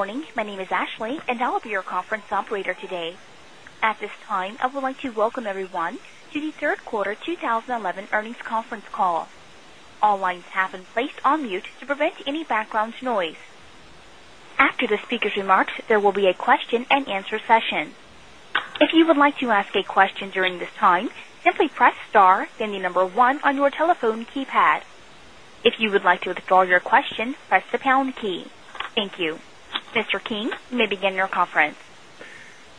Good morning. My name is Ashley, and I'll be your conference operator today. At this time, I would like to welcome everyone to the Third Quarter 2011 Earnings Conference Call. All lines have been placed on mute to prevent any background noise. After the speaker's remarks, there will be a question and answer session. If you would like to ask a question during this time, simply press star, then the number one on your telephone keypad. If you would like to withdraw your question, press the pound key. Thank you. Mr. King, you may begin your conference.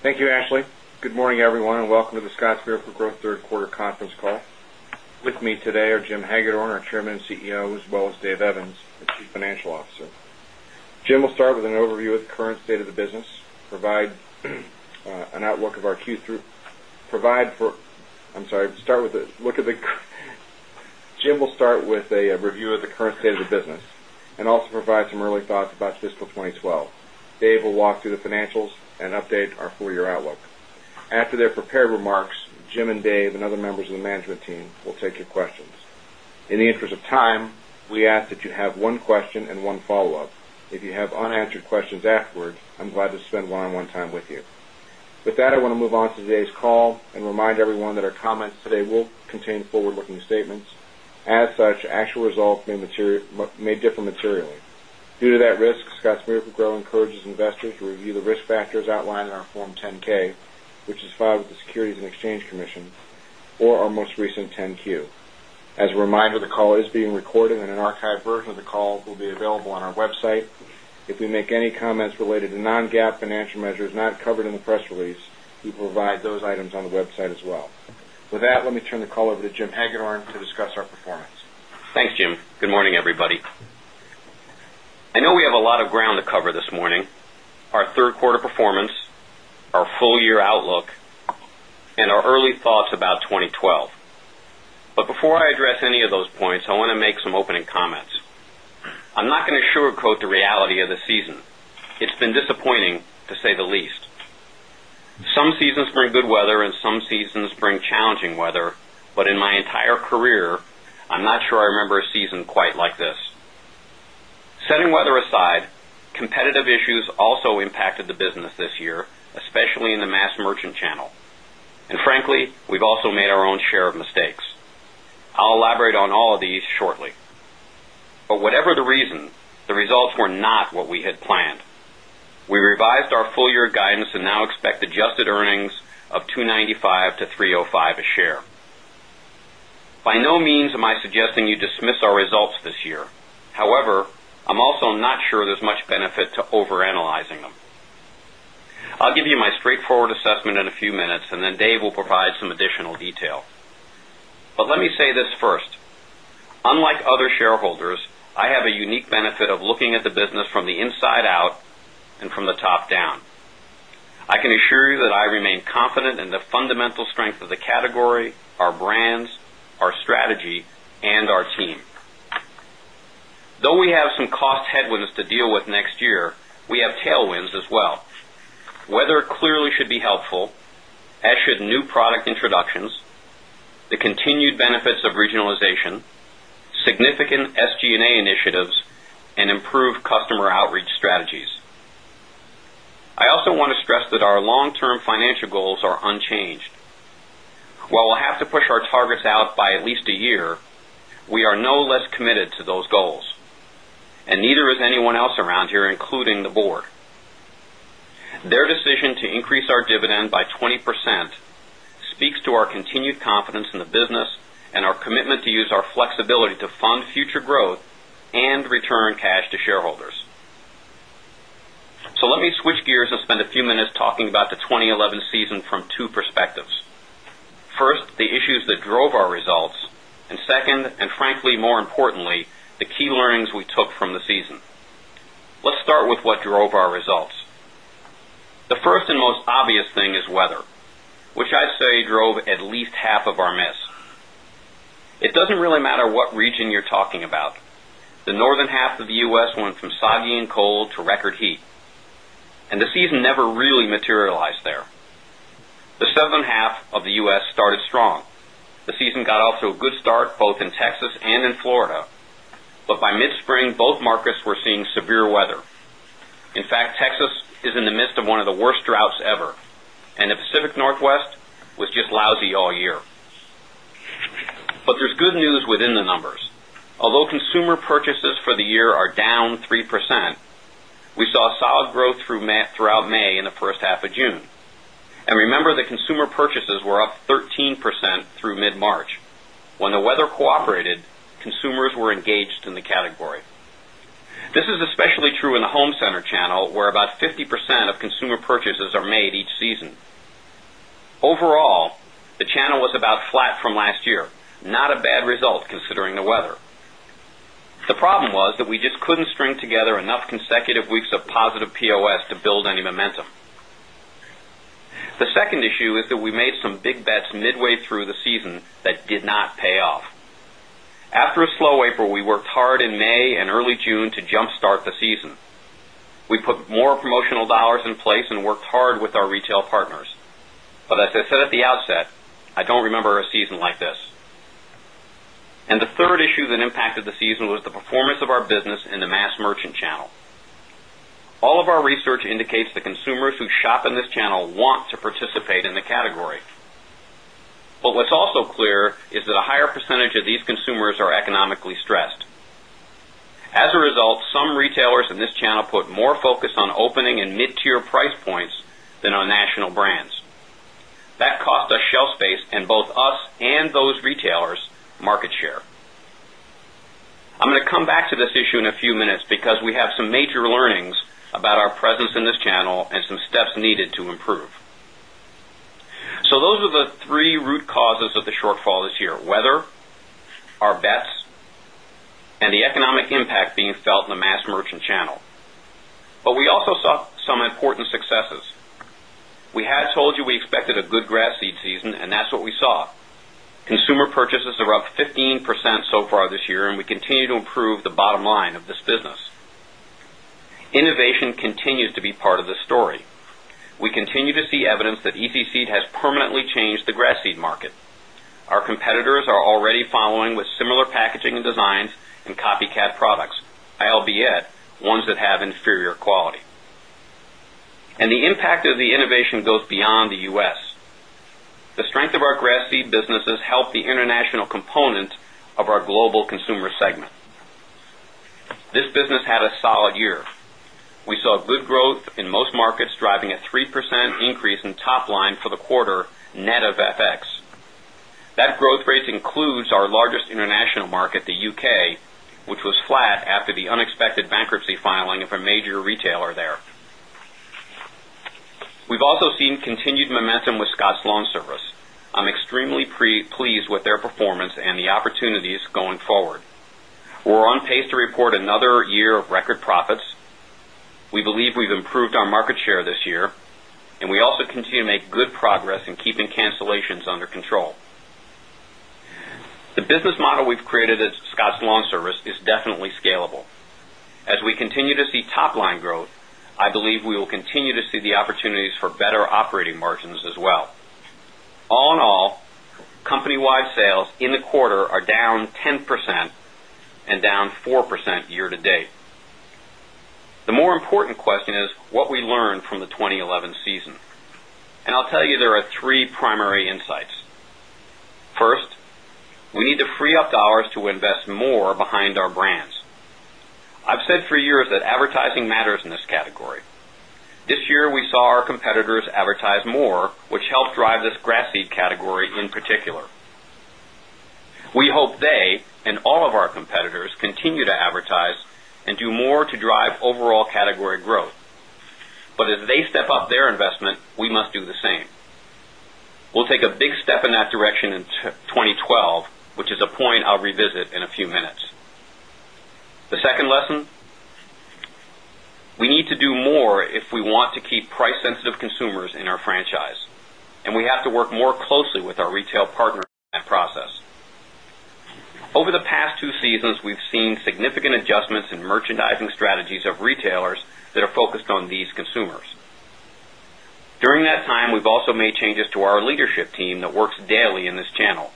Thank you, Ashley. Good morning, everyone, and welcome to the Scotts Miracle-Gro Third Quarter Conference Call. With me today are Jim Hagedorn, our Chairman and CEO, as well as Dave Evans, our Chief Financial Officer. Jim will start with a review of the current state of the business and also provide some early thoughts about fiscal 2012. Dave will walk through the financials and update our four-year outlook. After they've prepared remarks, Jim and Dave and other members of the management team will take your questions. In the interest of time, we ask that you have one question and one follow-up. If you have unanswered questions afterwards, I'm glad to spend one-on-one time with you. With that, I want to move on to today's call and remind everyone that our comments today will contain forward-looking statements. As such, actual results may differ materially. Due to that risk, Scotts Miracle-Gro encourages investors to review the risk factors outlined in our Form 10-K, which is filed with the Securities and Exchange Commission, or our most recent 10-Q. As a reminder, the call is being recorded, and an archived version of the call will be available on our website. If we make any comments related to non-GAAP financial measures not covered in the press release, we will provide those items on the website as well. With that, let me turn the call over to Jim Hagedorn to discuss our performance. Thanks, Jim. Good morning, everybody. I know we have a lot of ground to cover this morning: our third quarter performance, our full-year outlook, and our early thoughts about 2012. Before I address any of those points, I want to make some opening comments. I'm not going to sugarcoat the reality of the season. It's been disappointing, to say the least. Some seasons bring good weather, and some seasons bring challenging weather, but in my entire career, I'm not sure I remember a season quite like this. Setting weather aside, competitive issues also impacted the business this year, especially in the mass merchant channel. Frankly, we've also made our own share of mistakes. I'll elaborate on all of these shortly. Whatever the reason, the results were not what we had planned. We revised our full-year guidance and now expect adjusted earnings of $2.95-$3.05 a share. By no means am I suggesting you dismiss our results this year. However, I'm also not sure there's much benefit to overanalyzing them. I'll give you my straightforward assessment in a few minutes, and then Dave will provide some additional details. Let me say this first: unlike other shareholders, I have a unique benefit of looking at the business from the inside out and from the top-down. I can assure you that I remain confident in the fundamental strength of the category, our brands, our strategy, and our team. Though we have some cost headwinds to deal with next year, we have tailwinds as well. Weather clearly should be helpful, as should new product introductions, the continued benefits of regionalization, significant SG&A initiatives, and improved customer outreach strategies. I also want to stress that our long-term financial goals are unchanged. While we'll have to push our targets out by at least a year, we are no less committed to those goals, and neither is anyone else around here, including the board. Their decision to increase our dividend by 20% speaks to our continued confidence in the business and our commitment to use our flexibility to fund future growth and return cash to shareholders. Let me switch gears and spend a few minutes talking about the 2011 season from two perspectives. First, the issues that drove our results, and second, and frankly more importantly, the key learnings we took from the season. Let's start with what drove our results. The first and most obvious thing is weather, which I'd say drove at least half of our miss. It doesn't really matter what region you're talking about. The northern half of the U.S. went from soggy and cold to record heat, and the season never really materialized there. The southern half of the U.S. started strong. The season got off to a good start both in Texas and in Florida, but by mid-spring, both markets were seeing severe weather. In fact, Texas is in the midst of one of the worst droughts ever, and the Pacific Northwest was just lousy all year. There is good news within the numbers. Although consumer purchases for the year are down 3%, we saw solid growth throughout May in the first half of June. Remember, the consumer purchases were up 13% through mid-March. When the weather cooperated, consumers were engaged in the category. This is especially true in the home center channel, where about 50% of consumer purchases are made each season. Overall, the channel was about flat from last year, not a bad result considering the weather. The problem was that we just couldn't string together enough consecutive weeks of positive POS to build any momentum. The second issue is that we made some big bets midway through the season that did not pay off. After a slow April, we worked hard in May and early June to jumpstart the season. We put more promotional dollars in place and worked hard with our retail partners. I don't remember a season like this. The third issue that impacted the season was the performance of our business in the mass merchant channel. All of our research indicates that consumers who shop in this channel want to participate in the category. What's also clear is that a higher percentage of these consumers are economically stressed. As a result, some retailers in this channel put more focus on opening and mid-tier price points than our national brands. That cost us shelf space and both us and those retailers market share. I'm going to come back to this issue in a few minutes because we have some major learnings about our presence in this channel and some steps needed to improve. Those are the three root causes of the shortfall this year: Weather, our Bets, and the Economic Impact being felt in the mass merchant channel. We also saw some important successes. We had told you we expected a good grass seed season, and that's what we saw. Consumer purchases are up 15% so far this year, and we continue to improve the bottom line of this business. Innovation continues to be part of this story. We continue to see evidence that EZ Seed has permanently changed the grass seed market. Our competitors are already following with similar packaging and designs and copycat products, albeit ones that have inferior quality. The impact of the innovation goes beyond the U.S. The strength of our grass seed businesses helped the international component of our global consumer segment. This business had a solid year. We saw good growth in most markets, driving a 3% increase in top line for the quarter net of FX. That growth rate includes our largest international market, the U.K., which was flat after the unexpected bankruptcy filing of a major retailer there. We've also seen continued momentum with Scotts LawnService. I'm extremely pleased with their performance and the opportunities going forward. We're on pace to report another year of record profits. We believe we've improved our market share this year, and we also continue to make good progress in keeping cancellations under control. The business model we've created at Scotts LawnService is definitely scalable. As we continue to see top line growth, I believe we will continue to see the opportunities for better operating margins as well. All in all, company-wide sales in the quarter are down 10% and down 4% year to date. The more important question is what we learned from the 2011 season. I'll tell you, there are three primary insights. First, we need to free up dollars to invest more behind our brands. I've said for years that advertising matters in this category. This year, we saw our competitors advertise more, which helped drive this grass seed category in particular. We hope they and all of our competitors continue to advertise and do more to drive overall category growth. As they step up their investment, we must do the same. We'll take a big step in that direction in 2012, which is a point I'll revisit in a few minutes. The second lesson: we need to do more if we want to keep price-sensitive consumers in our franchise, and we have to work more closely with our retail partners in that process. Over the past two seasons, we've seen significant adjustments in merchandising strategies of retailers that are focused on these consumers. During that time, we've also made changes to our leadership team that works daily in this channel.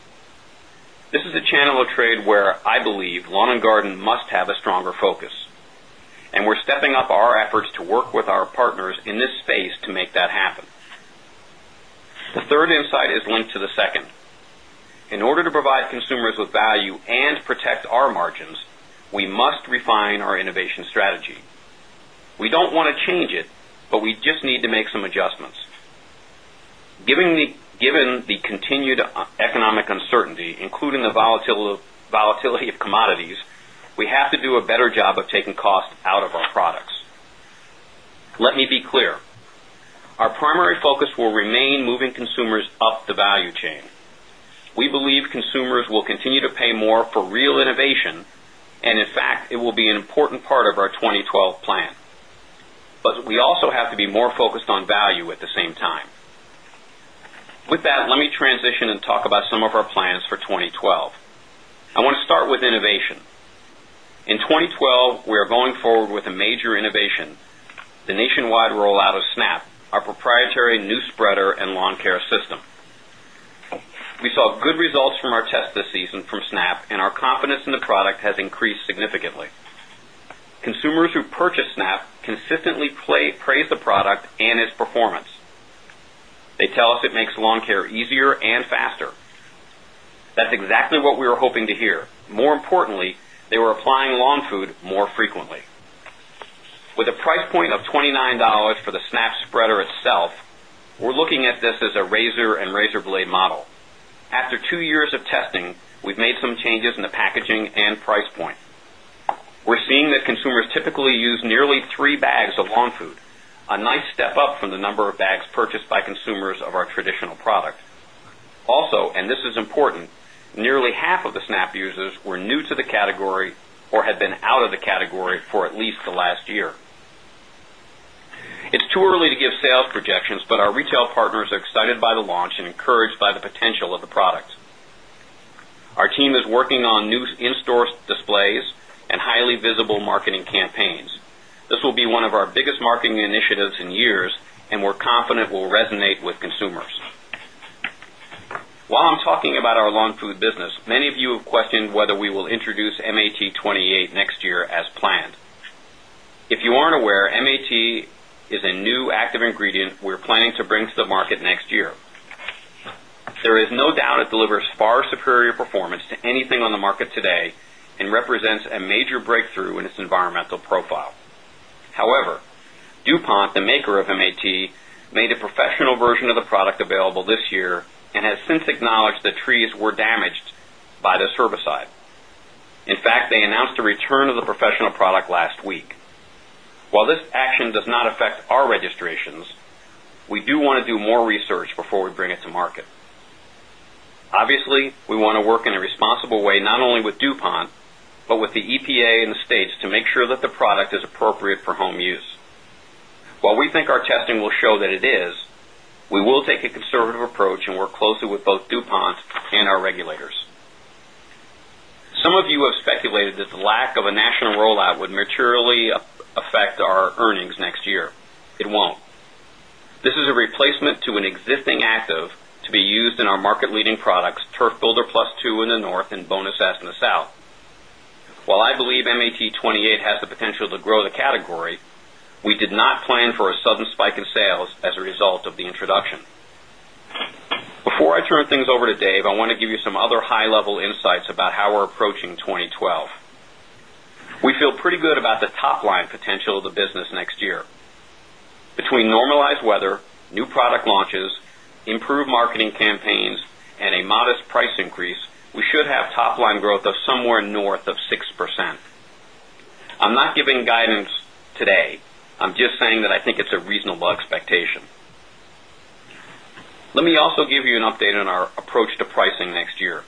This is a channel of trade where I believe Lawn and Garden must have a stronger focus, and we're stepping up our efforts to work with our partners in this space to make that happen. The third insight is linked to the second. In order to provide consumers with value and protect our margins, we must refine our innovation strategy. We don't want to change it, but we just need to make some adjustments. Given the continued economic uncertainty, including the volatility of commodities, we have to do a better job of taking costs out of our products. Let me be clear. Our primary focus will remain moving consumers up the value chain. We believe consumers will continue to pay more for real innovation, and in fact, it will be an important part of our 2012 plan. We also have to be more focused on value at the same time. With that, let me transition and talk about some of our plans for 2012. I want to start with innovation. In 2012, we're going forward with a major innovation: the nationwide rollout of Snap, our proprietary new spreader and lawn care system. We saw good results from our test this season from Snap, and our confidence in the product has increased significantly. Consumers who purchase Snap consistently praise the product and its performance. They tell us it makes lawn care easier and faster. That's exactly what we were hoping to hear. More importantly, they were applying lawn food more frequently. With a price point of $29 for the Snap spreader itself, we're looking at this as a razor and razor blade model. After two years of testing, we've made some changes in the packaging and price point. We're seeing that consumers typically use nearly three bags of lawn food, a nice step up from the number of bags purchased by consumers of our traditional product. Also, and this is important, nearly half of the Snap users were new to the category or had been out of the category for at least the last year. It's too early to give sales projections, but our retail partners are excited by the launch and encouraged by the potential of the product. Our team is working on new in-store displays and highly visible marketing campaigns. This will be one of our biggest marketing initiatives in years, and we're confident it will resonate with consumers. While I'm talking about our lawn food business, many of you have questioned whether we will introduce MAT-28 next year as planned. If you aren't aware, MAT is a new active ingredient we're planning to bring to the market next year. There is no doubt it delivers far superior performance to anything on the market today and represents a major breakthrough in its environmental profile. However, DuPont, the maker of MAT, made a professional version of the product available this year and has since acknowledged that trees were damaged by the herbicide. In fact, they announced a return of the professional product last week. While this action does not affect our registrations, we do want to do more research before we bring it to market. Obviously, we want to work in a responsible way, not only with DuPont, but with the EPA and the states to make sure that the product is appropriate for home use. While we think our testing will show that it is, we will take a conservative approach and work closely with both DuPont and our regulators. Some of you have speculated that the lack of a national rollout would materially affect our earnings next year. It won't. This is a replacement to an existing active to be used in our market-leading products: Turf Builder Plus 2 in the north and Bonus S in the south. While I believe MAT-28 has the potential to grow the category, we did not plan for a sudden spike in sales as a result of the introduction. Before I turn things over to Dave, I want to give you some other high-level insights about how we're approaching 2012. We feel pretty good about the top line potential of the business next year. Between normalized weather, new product launches, improved marketing campaigns, and a modest price increase, we should have top line growth of somewhere north of 6%. I'm not giving guidance today. I'm just saying that I think it's a reasonable expectation. Let me also give you an update on our approach to pricing next year.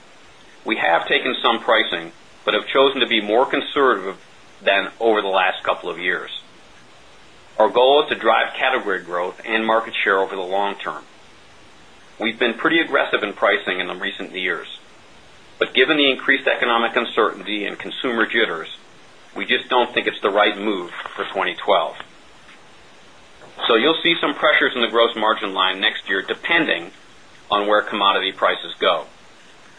We have taken some pricing but have chosen to be more conservative than over the last couple of years. Our goal is to drive category growth and market share over the long term. We've been pretty aggressive in pricing in the recent years, but given the increased economic uncertainty and consumer jitters, we just don't think it's the right move for 2012. You'll see some pressures in the gross margin line next year, depending on where commodity prices go.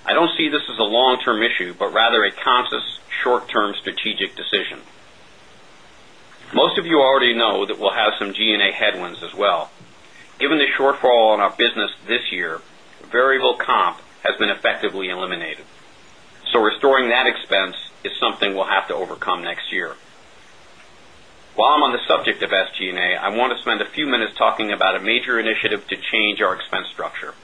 I don't see this as a long-term issue, but rather a conscious short-term strategic decision. Most of you already know that we'll have some G&A headwinds as well. Given the shortfall in our business this year, variable comp has been effectively eliminated. Restoring that expense is something we'll have to overcome next year. While I'm on the subject of SG&A, I want to spend a few minutes talking about a major initiative to change our expense structure.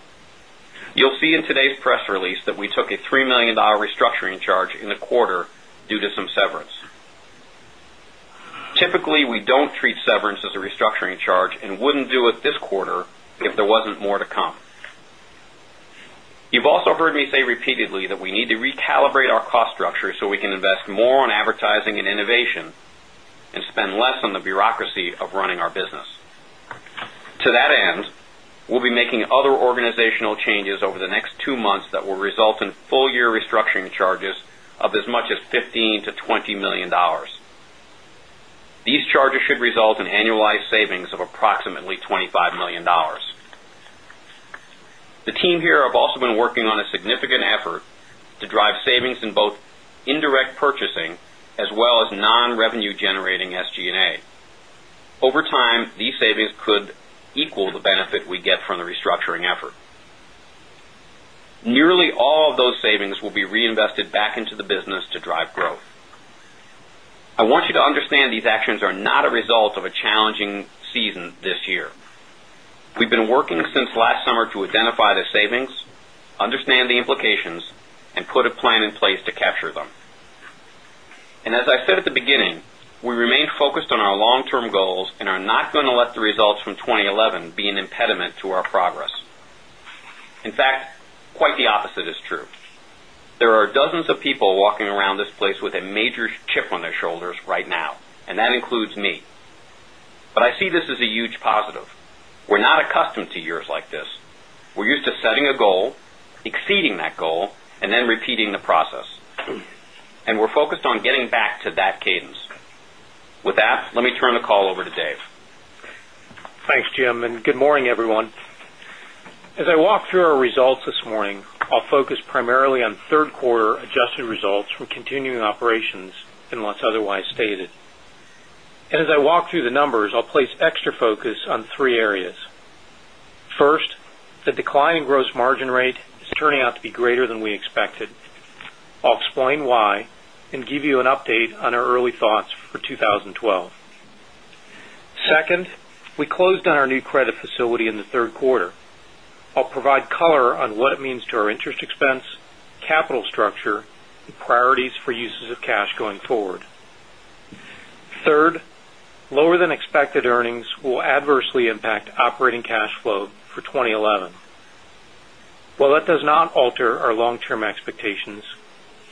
You'll see in today's press release that we took a $3 million restructuring charge in the quarter due to some severance. Typically, we don't treat severance as a restructuring charge and wouldn't do it this quarter if there wasn't more to come. You've also heard me say repeatedly that we need to recalibrate our cost structure so we can invest more on advertising and innovation and spend less on the bureaucracy of running our business. To that end, we'll be making other organizational changes over the next two months that will result in full-year restructuring charges of as much as $15 million-$20 million. These charges should result in annualized savings of approximately $25 million. The team here have also been working on a significant effort to drive savings in both indirect purchasing as well as non-revenue-generating SG&A. Over time, these savings could equal the benefit we get from the restructuring effort. Nearly all of those savings will be reinvested back into the business to drive growth. I want you to understand these actions are not a result of a challenging season this year. We've been working since last summer to identify the savings, understand the implications, and put a plan in place to capture them. As I said at the beginning, we remain focused on our long-term goals and are not going to let the results from 2011 be an impediment to our progress. In fact, quite the opposite is true. There are dozens of people walking around this place with a major chip on their shoulders right now, and that includes me. I see this as a huge positive. We're not accustomed to years like this. We're used to setting a goal, exceeding that goal, and then repeating the process. We're focused on getting back to that cadence. With that, let me turn the call over to Dave. Thanks, Jim, and good morning, everyone. As I walk through our results this morning, I'll focus primarily on third quarter adjusted results from continuing operations, unless otherwise stated. As I walk through the numbers, I'll place extra focus on three areas. First, the declining gross margin rate is turning out to be greater than we expected. I'll explain why and give you an update on our early thoughts for 2012. Second, we closed on our new credit facility in the third quarter. I'll provide color on what it means to our interest expense, capital structure, and priorities for uses of cash going forward. Third, lower than expected earnings will adversely impact operating cash flow for 2011. While that does not alter our long-term expectations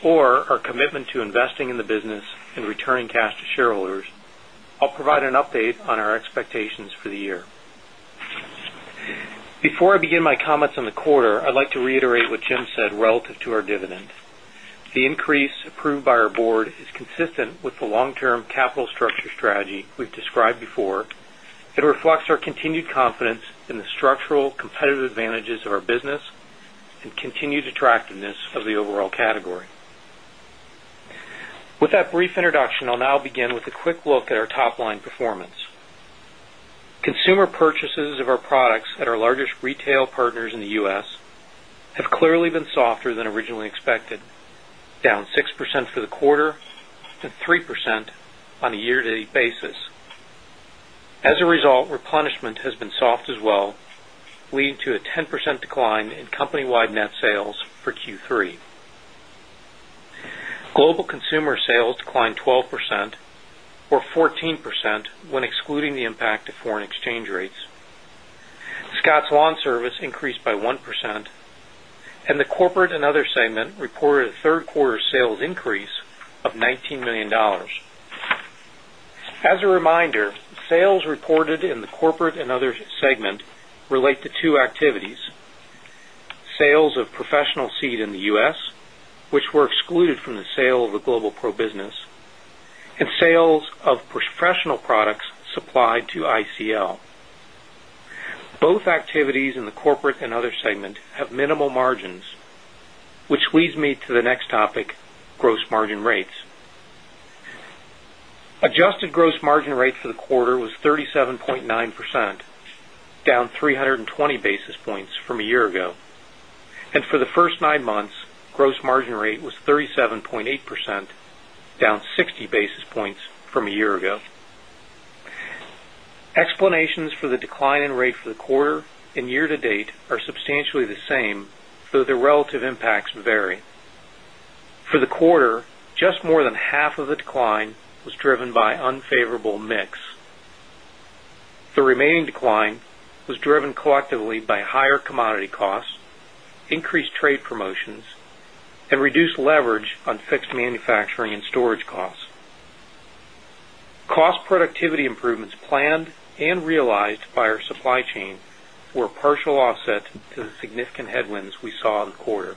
or our commitment to investing in the business and returning cash to shareholders, I'll provide an update on our expectations for the year. Before I begin my comments on the quarter, I'd like to reiterate what Jim said relative to our dividend. The increase approved by our board is consistent with the long-term capital structure strategy we've described before, and reflects our continued confidence in the structural competitive advantages of our business and continued attractiveness of the overall category. With that brief introduction, I'll now begin with a quick look at our top line performance. Consumer purchases of our products at our largest retail partners in the U.S. have clearly been softer than originally expected, down 6% for the quarter and 3% on a year-to-date basis. As a result, replenishment has been soft as well, leading to a 10% decline in company-wide net sales for Q3. Global consumer sales declined 12% or 14% when excluding the impact of foreign exchange rates. Scotts LawnService increased by 1%, and the corporate and other segment reported a third quarter sales increase of $19 million. As a reminder, sales reported in the corporate and other segment relate to two activities: sales of professional seed in the U.S., which were excluded from the sale of the Global Pro Business, and sales of professional products supplied to ICL. Both activities in the corporate and other segment have minimal margins, which leads me to the next topic: gross margin rates. Adjusted gross margin rate for the quarter was 37.9%, down 320 basis points from a year ago. For the first nine months, gross margin rate was 37.8%, down 60 basis points from a year ago. Explanations for the decline in rate for the quarter and year to date are substantially the same, though the relative impacts vary. For the quarter, just more than half of the decline was driven by unfavorable mix. The remaining decline was driven collectively by higher commodity costs, increased trade promotions, and reduced leverage on fixed manufacturing and storage costs. Cost productivity improvements planned and realized by our supply chain were a partial offset to the significant headwinds we saw in the quarter.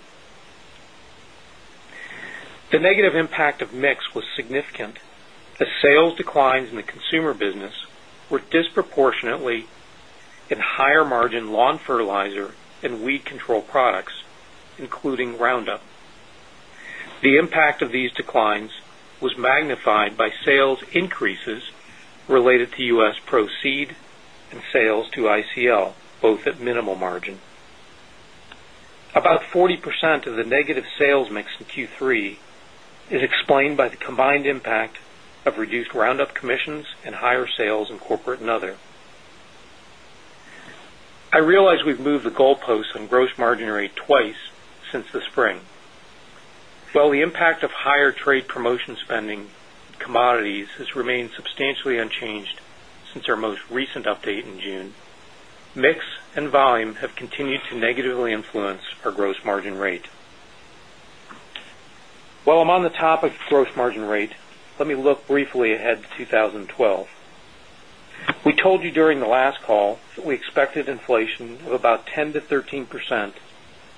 The negative impact of mix was significant, as sales declines in the consumer business were disproportionately in higher margin lawn fertilizer and weed control products, including Roundup. The impact of these declines was magnified by sales increases related to U.S. Pro Seed and sales to ICL, both at minimal margin. About 40% of the negative sales mix in Q3 is explained by the combined impact of reduced Roundup commissions and higher sales in corporate and other. I realize we've moved the goalposts on gross margin rate twice since the spring. While the impact of higher trade promotion spending and commodities has remained substantially unchanged since our most recent update in June, mix and volume have continued to negatively influence our gross margin rate. While I'm on the topic of gross margin rate, let me look briefly ahead to 2012. We told you during the last call that we expected inflation of about 10%-13%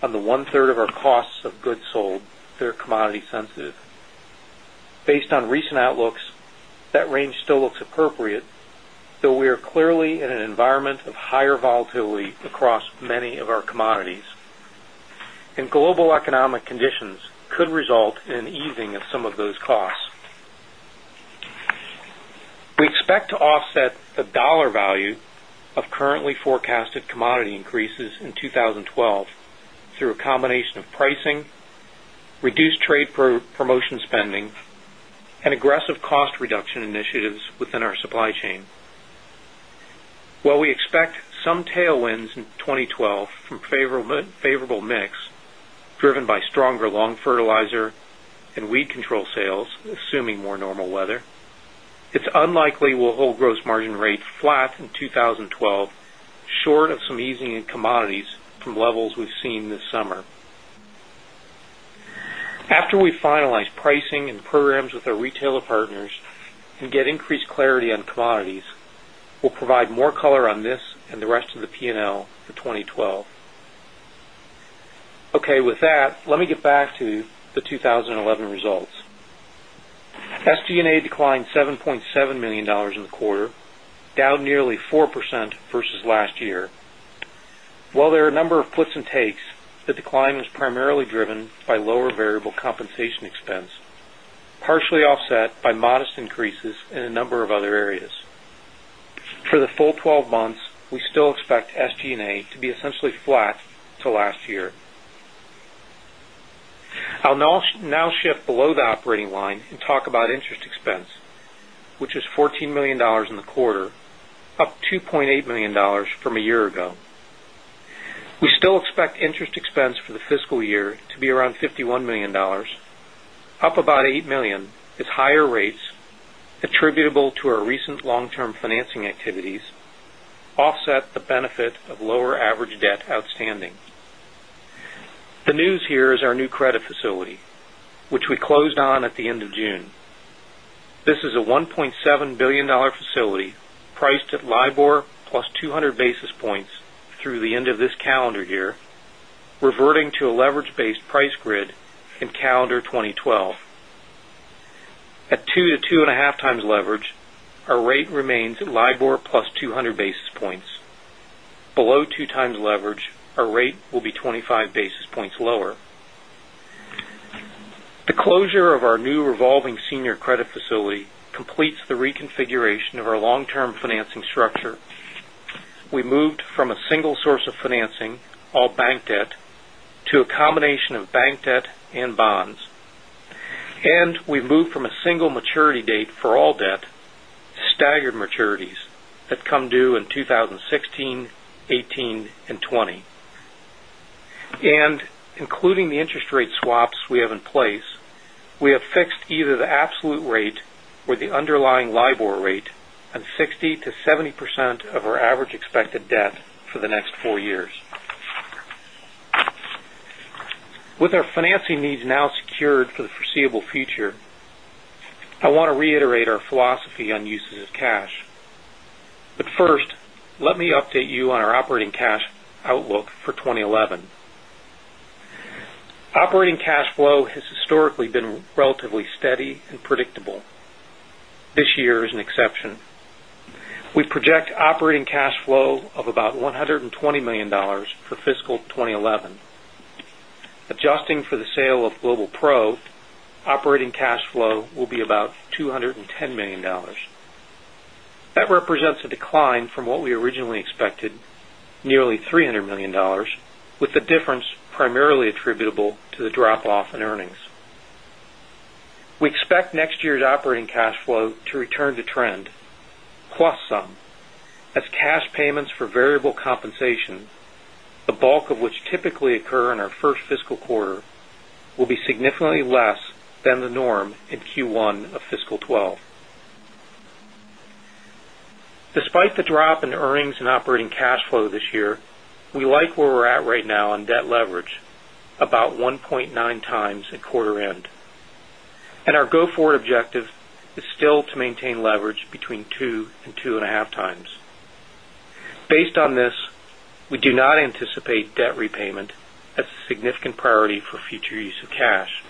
on the 1/3 of our cost of goods sold that are commodity sensitive. Based on recent outlooks, that range still looks appropriate, though we are clearly in an environment of higher volatility across many of our commodities. Global economic conditions could result in an easing of some of those costs. We expect to offset the dollar value of currently forecasted commodity increases in 2012 through a combination of pricing, reduced trade promotion spending, and aggressive cost reduction initiatives within our supply chain. While we expect some tailwinds in 2012 from favorable mix driven by stronger lawn fertilizer and weed control sales, assuming more normal weather, it's unlikely we'll hold gross margin rate flat in 2012, short of some easing in commodities from levels we've seen this summer. After we finalize pricing and programs with our retailer partners and get increased clarity on commodities, we'll provide more color on this and the rest of the P&L for 2012. With that, let me get back to the 2011 results. SG&A declined $7.7 million in the quarter, down nearly 4% vs last year. While there are a number of puts and takes, the decline was primarily driven by lower variable compensation expense, partially offset by modest increases in a number of other areas. For the full 12 months, we still expect SG&A to be essentially flat to last year. I'll now shift below the operating line and talk about interest expense, which is $14 million in the quarter, up $2.8 million from a year ago. We still expect interest expense for the fiscal year to be around $51 million, up about $8 million, as higher rates attributable to our recent long-term financing activities offset the benefit of lower average debt outstanding. The news here is our new credit facility, which we closed on at the end of June. This is a $1.7 billion facility priced at LIBOR +200 basis points through the end of this calendar year, reverting to a leverage-based price grid in calendar 2012. At 2x-2.5x leverage, our rate remains at LIBOR +200 basis points. Below 2x leverage, our rate will be 25 basis points lower. The closure of our new revolving senior credit facility completes the reconfiguration of our long-term financing structure. We moved from a single source of financing, all bank debt, to a combination of bank debt and bonds. We moved from a single maturity date for all debt, staggered maturities that come due in 2016, 2018, and 2020. Including the interest rate swaps we have in place, we have fixed either the absolute rate or the underlying LIBOR rate on 60%-70% of our average expected debt for the next four years. With our financing needs now secured for the foreseeable future, I want to reiterate our philosophy on uses of cash. First, let me update you on our operating cash outlook for 2011. Operating cash flow has historically been relatively steady and predictable. This year is an exception. We project operating cash flow of about $120 million for fiscal 2011. Adjusting for the sale of Global Pro, operating cash flow will be about $210 million. That represents a decline from what we originally expected, nearly $300 million, with the difference primarily attributable to the drop-off in earnings. We expect next year's operating cash flow to return the trend, plus some, as cash payments for variable compensation, the bulk of which typically occur in our first fiscal quarter, will be significantly less than the norm in Q1 of fiscal 2012. Despite the drop in earnings and operating cash flow this year, we like where we're at right now on debt leverage, about 1.9x at quarter end. Our go-forward objective is still to maintain leverage between 2x and 2.5x. Based on this, we do not anticipate debt repayment as a significant priority for future use of cash.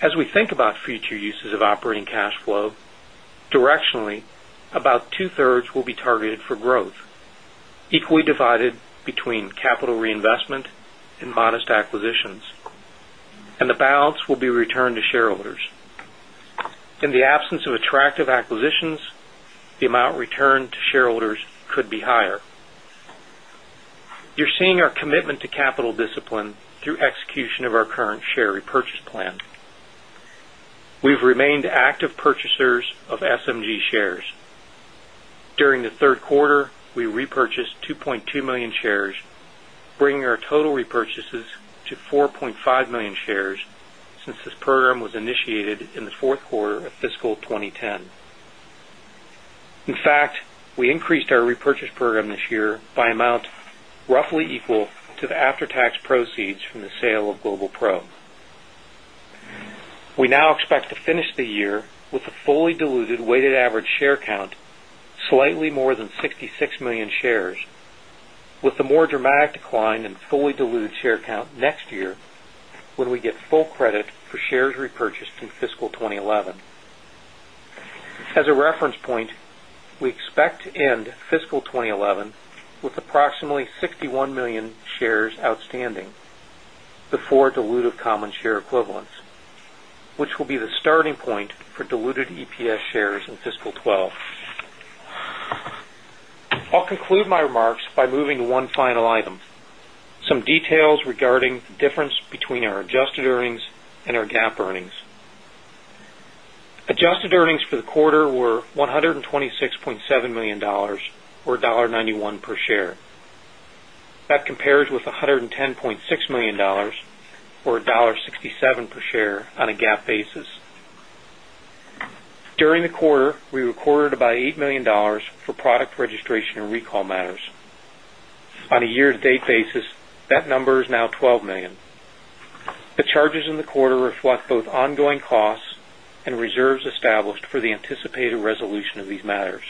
As we think about future uses of operating cash flow, directionally, about 2/3 will be targeted for growth, equally divided between capital reinvestment and modest acquisitions. The balance will be returned to shareholders. In the absence of attractive acquisitions, the amount returned to shareholders could be higher. You're seeing our commitment to capital discipline through execution of our current share repurchase plan. We've remained active purchasers of SMG shares. During the third quarter, we repurchased 2.2 million shares, bringing our total repurchases to 4.5 million shares since this program was initiated in the fourth quarter of fiscal 2010. In fact, we increased our repurchase program this year by an amount roughly equal to the after-tax proceeds from the sale of Global Pro. We now expect to finish the year with a fully diluted weighted average share count, slightly more than 66 million shares, with a more dramatic decline in fully diluted share count next year when we get full credit for shares repurchased in fiscal 2011. As a reference point, we expect to end fiscal 2011 with approximately 61 million shares outstanding before diluted common share equivalents, which will be the starting point for diluted EPS shares in fiscal 2012. I'll conclude my remarks by moving to one final item: some details regarding the difference between our adjusted earnings and our GAAP earnings. Adjusted earnings for the quarter were $126.7 million, or $1.91/share. That compares with $110.6 million, or $1.67/share on a GAAP basis. During the quarter, we recorded about $8 million for product registration and recall matters. On a year-to-date basis, that number is now $12 million. The charges in the quarter reflect both ongoing costs and reserves established for the anticipated resolution of these matters.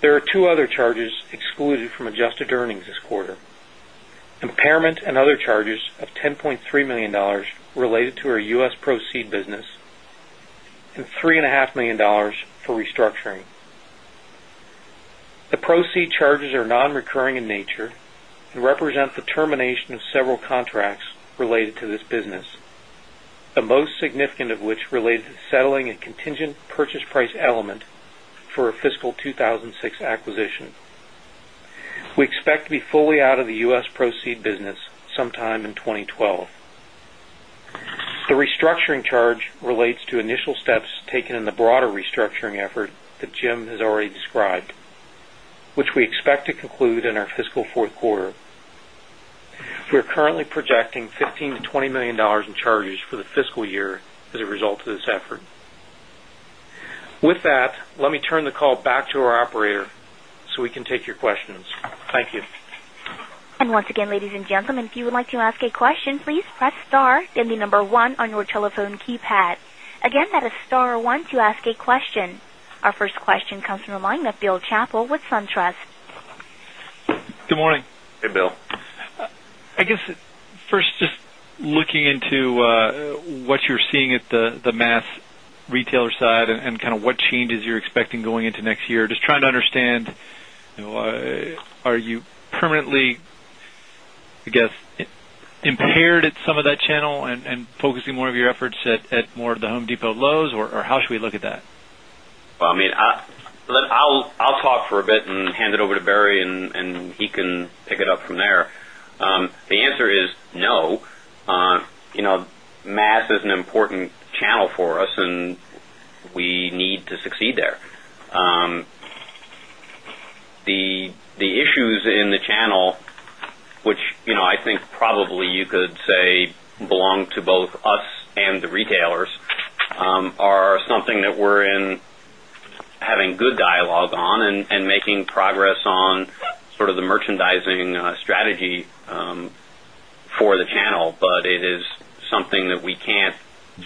There are two other charges excluded from adjusted earnings this quarter: impairment and other charges of $10.3 million related to our U.S. Pro Seed business, and $3.5 million for restructuring. The Pro Seed charges are non-recurring in nature and represent the termination of several contracts related to this business, the most significant of which related to the settling and contingent purchase price element for a fiscal 2006 acquisition. We expect to be fully out of the U.S. Pro Seed business sometime in 2012. The restructuring charge relates to initial steps taken in the broader restructuring effort that Jim has already described, which we expect to conclude in our fiscal fourth quarter. We're currently projecting $15 million-$20 million in charges for the fiscal year as a result of this effort. With that, let me turn the call back to our operator so we can take your questions. Thank you. Once again, ladies and gentlemen, if you would like to ask a question, please press star and the number one on your telephone keypad. That is star one to ask a question. Our first question comes from a line of Bill Chappell with SunTrust. Good morning. Hey, Bill. I guess first, just looking into what you're seeing at the mass merchant channel side and kind of what changes you're expecting going into next year, just trying to understand, you know, are you permanently, I guess, impaired at some of that channel and focusing more of your efforts at more of the Home Depot, Lowe's? How should we look at that? I mean, I'll talk for a bit and hand it over to Barry, and he can pick it up from there. The answer is no. You know, mass is an important channel for us, and we need to succeed there. The issues in the channel, which you know I think probably you could say belong to both us and the retailers, are something that we're having good dialogue on and making progress on, sort of the merchandising strategy for the channel. It is something that we can't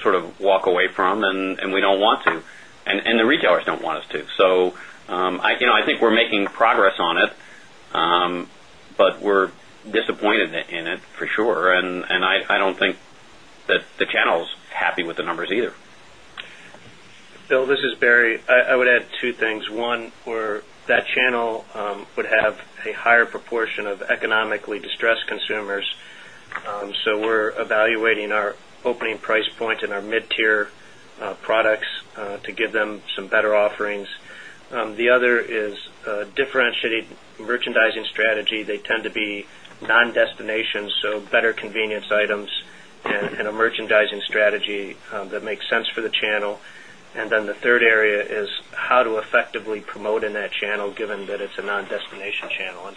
sort of walk away from, and we don't want to. The retailers don't want us to. You know, I think we're making progress on it, but we're disappointed in it for sure. I don't think that the channel's happy with the numbers either. Bill, this is Barry. I would add two things. One, that channel would have a higher proportion of economically distressed consumers. We're evaluating our opening price point in our mid-tier products to give them some better offerings. The other is a differentiated merchandising strategy. They tend to be non-destinations, so better convenience items and a merchandising strategy that makes sense for the channel. The third area is how to effectively promote in that channel, given that it's a non-destination channel.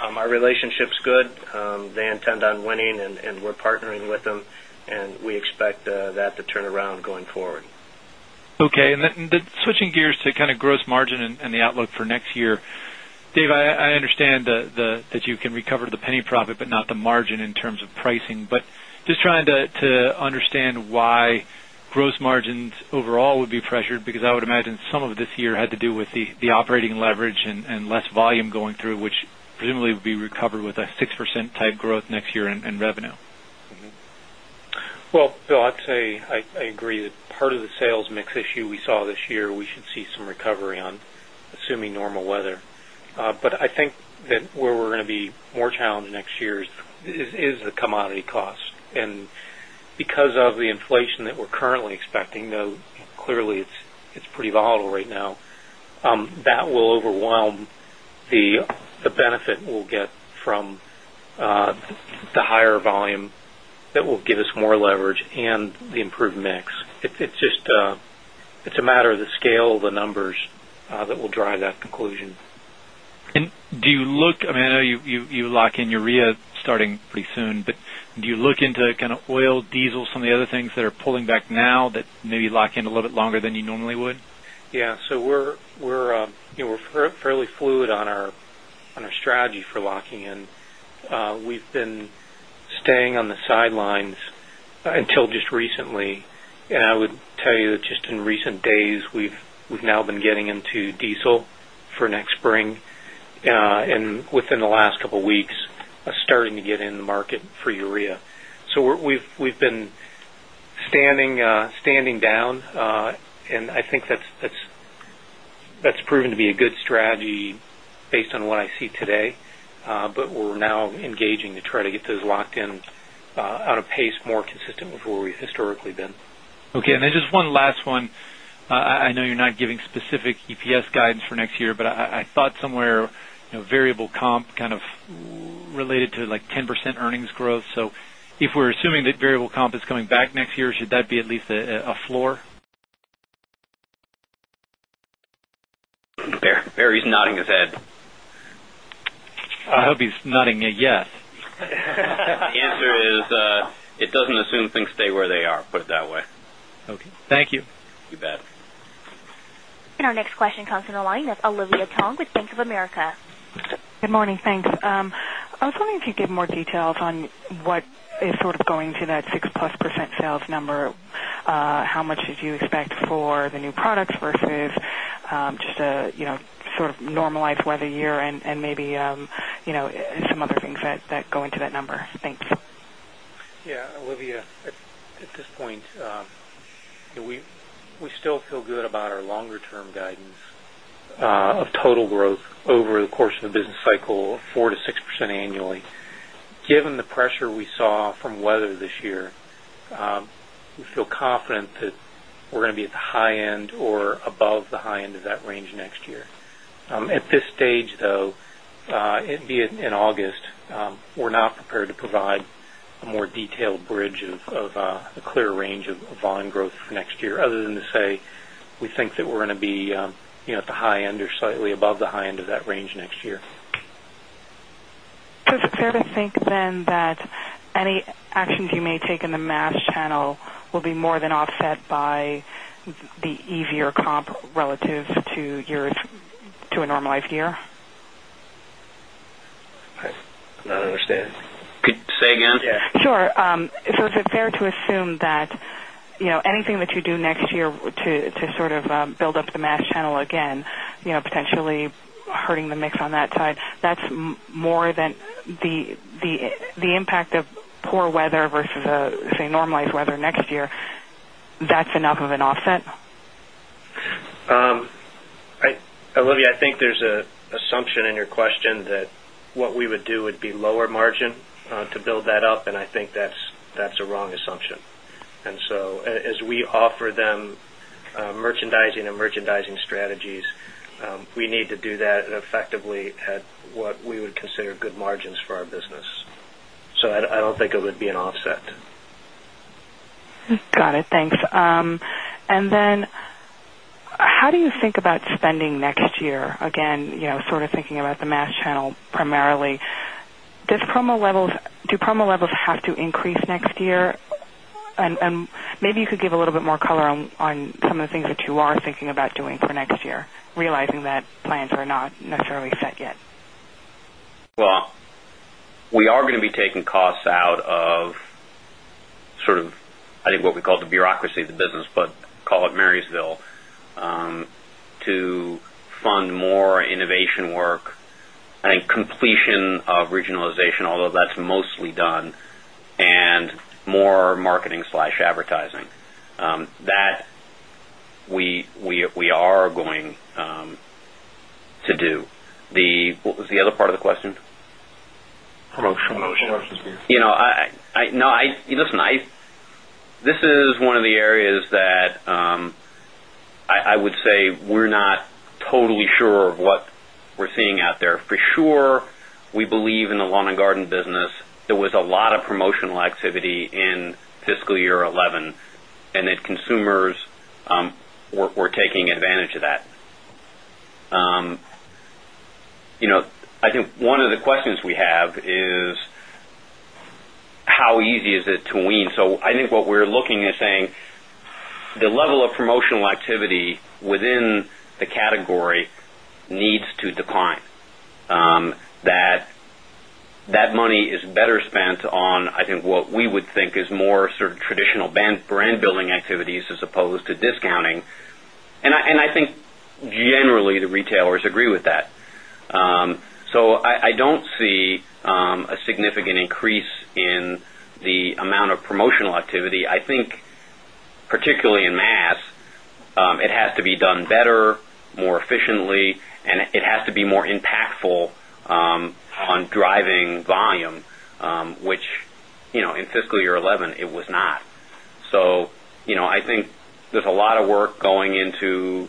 Our relationship's good. They intend on winning, and we're partnering with them, and we expect that to turn around going forward. Okay. Switching gears to kind of gross margin and the outlook for next year, Dave, I understand that you can recover the penny profit but not the margin in terms of pricing. Just trying to understand why gross margins overall would be pressured, because I would imagine some of this year had to do with the operating leverage and less volume going through, which presumably would be recovered with a 6% type growth next year in revenue. I agree that part of the sales mix issue we saw this year, we should see some recovery on, assuming normal weather. I think that where we're going to be more challenged next year is the commodity cost. Because of the inflation that we're currently expecting, though clearly it's pretty volatile right now, that will overwhelm the benefit we'll get from the higher volume that will give us more leverage and the improved mix. It's just a matter of the scale of the numbers that will drive that conclusion. Do you look, I mean, I know you lock in urea starting pretty soon, but do you look into kind of oil, diesel, some of the other things that are pulling back now that maybe lock in a little bit longer than you normally would? Yeah. We're fairly fluid on our strategy for locking in. We've been staying on the sidelines until just recently. I would tell you that just in recent days, we've now been getting into diesel for next spring. Within the last couple of weeks, starting to get in the market for urea. We've been standing down, and I think that's proven to be a good strategy based on what I see today. We're now engaging to try to get those locked in at a pace more consistent with where we've historically been. Okay. One last one. I know you're not giving specific EPS guidance for next year, but I thought somewhere variable comp kind of related to like 10% earnings growth. If we're assuming that variable comp is coming back next year, should that be at least a floor? Barry is nodding his head. I hope he's nodding a yes. The answer is it doesn't assume things stay where they are, put it that way. Okay, thank you. You bet. Our next question comes from a line of Olivia Tong with Bank of America. Good morning. Thanks. I was wondering if you could give more details on what is sort of going to that 6%+ sales number. How much did you expect for the new products vs just a sort of normalized weather year and maybe some other things that go into that number? Thanks. Yeah. Olivia, at this point, we still feel good about our longer term guidance of total growth over the course of the business cycle, 4%-6% annually. Given the pressure we saw from weather this year, we feel confident that we're going to be at the high end or above the high end of that range next year. At this stage, though, in August, we're not prepared to provide a more detailed bridge of a clear range of lawn growth for next year, other than to say we think that we're going to be at the high end or slightly above the high end of that range next year. Is it fair to think then that any actions you may take in the mass merchant channel will be more than offset by the easier comp relative to a normalized year? I do not understand. Could you say again? Yeah. Sure. Is it fair to assume that anything that you do next year to sort of build up the mass merchant channel again, potentially hurting the mix on that side, that's more than the impact of poor weather vs, say, normalized weather next year, that's enough of an offset? Olivia, I think there's an assumption in your question that what we would do would be lower margin to build that up, and I think that's a wrong assumption. As we offer them merchandising and merchandising strategies, we need to do that effectively at what we would consider good margins for our business. I don't think it would be an offset. Got it. Thanks. How do you think about spending next year? Sort of thinking about the mass merchant channel primarily, do promo levels have to increase next year? Maybe you could give a little bit more color on some of the things that you are thinking about doing for next year, realizing that plans are not necessarily set yet. We are going to be taking costs out of sort of, I think, what we call the bureaucracy of the business, but call it Marysville, to fund more innovation work and completion of regionalization, although that's mostly done, and more marketing/advertising. That we are going to do. What was the other part of the question? Promotions. Listen, this is one of the areas that I would say we're not totally sure of what we're seeing out there. For sure, we believe in the Lawn and Garden business. There was a lot of promotional activity in fiscal year 2011, and consumers were taking advantage of that. I think one of the questions we have is how easy is it to wean. What we're looking at is saying the level of promotional activity within a category needs to decline. That money is better spent on what we would think is more sort of traditional brand-building activities as opposed to discounting. I think generally, the retailers agree with that. I don't see a significant increase in the amount of promotional activity. I think, particularly in mass, it has to be done better, more efficiently, and it has to be more impactful on driving volume, which, in fiscal year 2011, it was not. I think there's a lot of work going into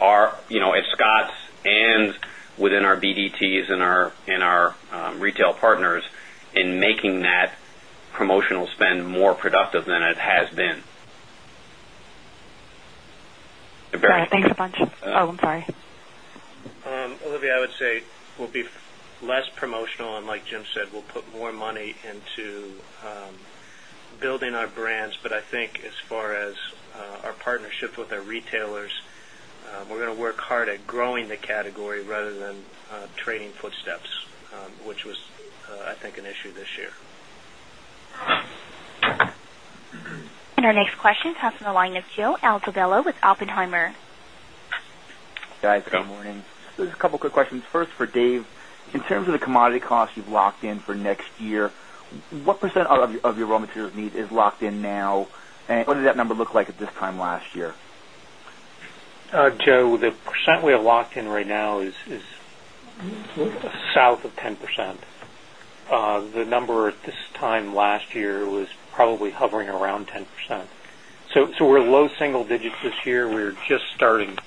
our, at Scotts and within our BDTs and our retail partners in making that promotional spend more productive than it has been. Barry? Thanks a bunch. I'm sorry. Olivia, I would say we'll be less promotional, and like Jim said, we'll put more money into building our brands. I think as far as our partnerships with our retailers, we're going to work hard at growing the category rather than trading footstep, which was, I think, an issue this year. Our next question comes from a line of Joe Altobello with Oppenheimer. Guys, good morning. There's a couple of quick questions. First for Dave, in terms of the commodity costs you've locked in for next year, what percent of your raw materials need is locked in now, and what does that number look like at this time last year? Joe, the percent we have locked in right now is south of 10%. The number at this time last year was probably hovering around 10%. We're low single digits this year. We're just starting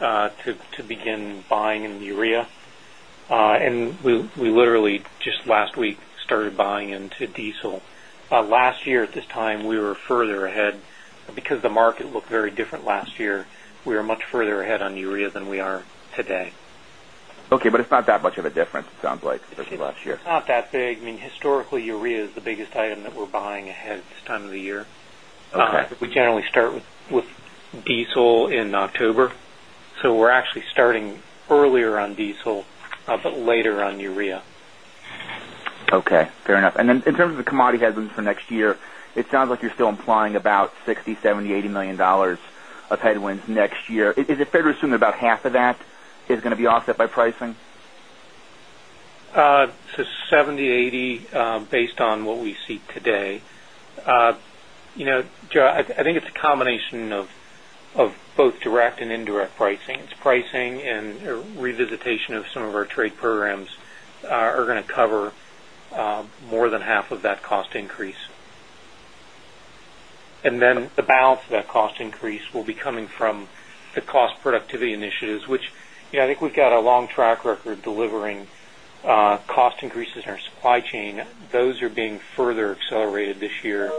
to begin buying in the urea, and we literally just last week started buying into diesel. Last year, at this time, we were further ahead because the market looked very different last year. We were much further ahead on urea than we are today. Okay, it's not that much of a difference, it sounds like, vs last year. It's not that big. I mean, historically, urea is the biggest item that we're buying ahead at this time of the year. We generally start with diesel in October. We're actually starting earlier on diesel, but later on urea. Okay. Fair enough. In terms of the commodity headwinds for next year, it sounds like you're still implying about $60 million, $70 million, $80 million of headwinds next year. Is it fair to assume that about half of that is going to be offset by pricing? $70 million, $80 million, based on what we see today. You know, Joe, I think it's a combination of both direct and indirect pricing. It's pricing and revisitation of some of our trade programs are going to cover more than half of that cost increase. The balance of that cost increase will be coming from the cost productivity initiatives, which, you know, I think we've got a long track record of delivering cost increases in our supply chain. Those are being further accelerated this year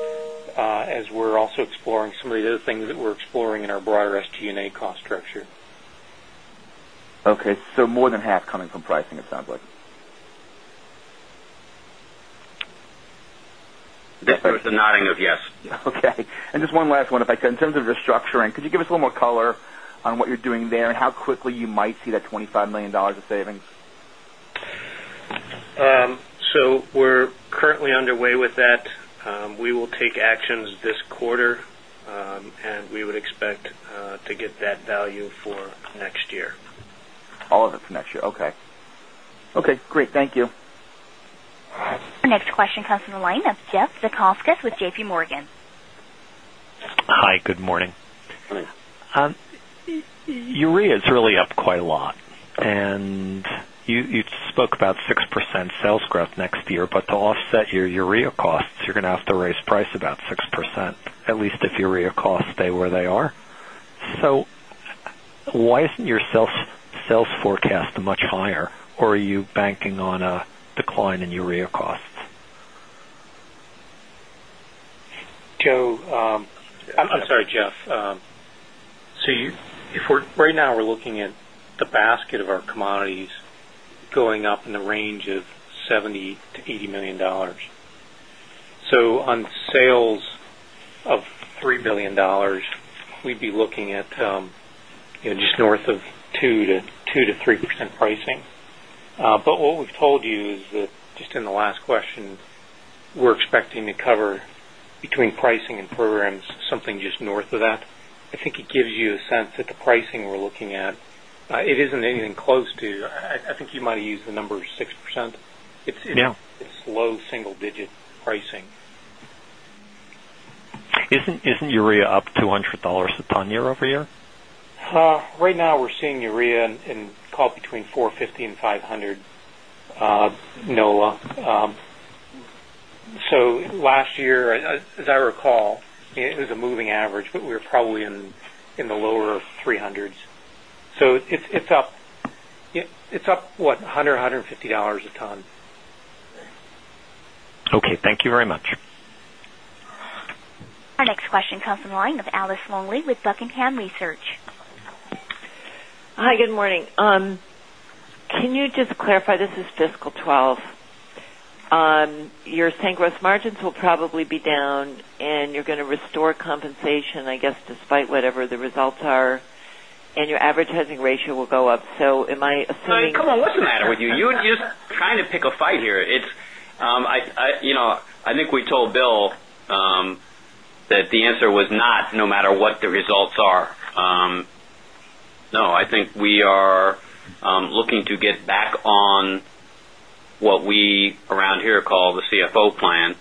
as we're also exploring some of the other things that we're exploring in our broader SG&A cost structure. Okay, so more than half coming from pricing, it sounds like. Definitely. There's a nodding of yes. Okay. Just one last one. If I said in terms of restructuring, could you give us a little more color on what you're doing there and how quickly you might see that $25 million of savings? We are currently underway with that. We will take actions this quarter, and we would expect to get that value for next year. All of it for next year. Okay. Okay, great. Thank you. Our next question comes from a line of Jeff Zekauskas with JPMorgan. Hi, good morning. Morning. Urea is really up quite a lot. You spoke about 6% sales growth next year, but to offset your urea costs, you're going to have to raise price about 6%, at least if urea costs stay where they are. Why isn't your sales forecast much higher, or are you banking on a decline in urea costs? Joe. I'm sorry, Jeff. Right now, we're looking at the basket of our commodities going up in the range of $70 million-$80 million. On sales of $3 billion, we'd be looking at just north of 2%-3% pricing. What we've told you is that, just in the last question, we're expecting to cover between pricing and programs something just north of that. I think it gives you a sense that the pricing we're looking at isn't anything close to, I think you might have used the number of 6%. It's low-single-digit pricing. Isn't urea up $200 a ton year-over-year? Right now, we're seeing urea in between $450 and $500. Last year, as I recall, it was a moving average, but we were probably in the lower $300s. It's up, what, $100, $150 a ton. Okay, thank you very much. Our next question comes from the line of Alice Longley with Buckingham Research. Hi. Good morning. Can you just clarify this is fiscal 2012? You're saying gross margins will probably be down, and you're going to restore compensation, I guess, despite whatever the results are, and your advertising ratio will go up. Am I assuming? Come on. What's the matter with you? You're trying to pick a fight here. I think we told Bill that the answer was not no matter what the results are. I think we are looking to get back on what we around here call the CFO plan.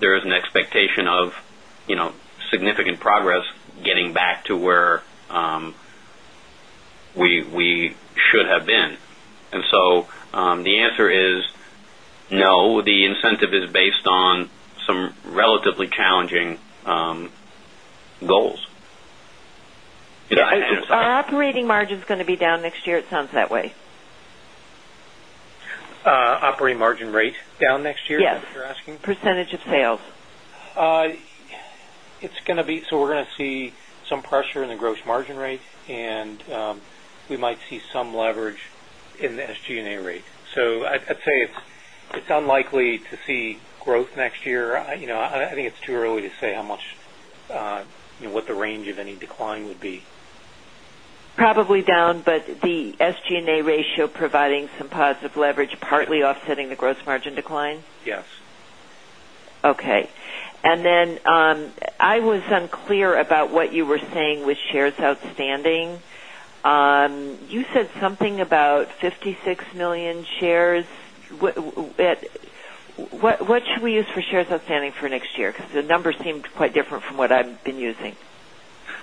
There is an expectation of significant progress getting back to where we should have been. The answer is no. The incentive is based on some relatively challenging goals. Are operating margins going to be down next year? It sounds that way. Operating margin rate down next year, is that what you're asking? Yes, percentage of sales. It's going to be, we're going to see some pressure in the gross margin rate, and we might see some leverage in the SG&A rate. I'd say it's unlikely to see growth next year. I think it's too early to say how much, what the range of any decline would be. Probably down, but the SG&A ratio providing some positive leverage, partly offsetting the gross margin decline? Yes. Okay. I was unclear about what you were saying with shares outstanding. You said something about 56 million shares. What should we use for shares outstanding for next year? The numbers seemed quite different from what I've been using.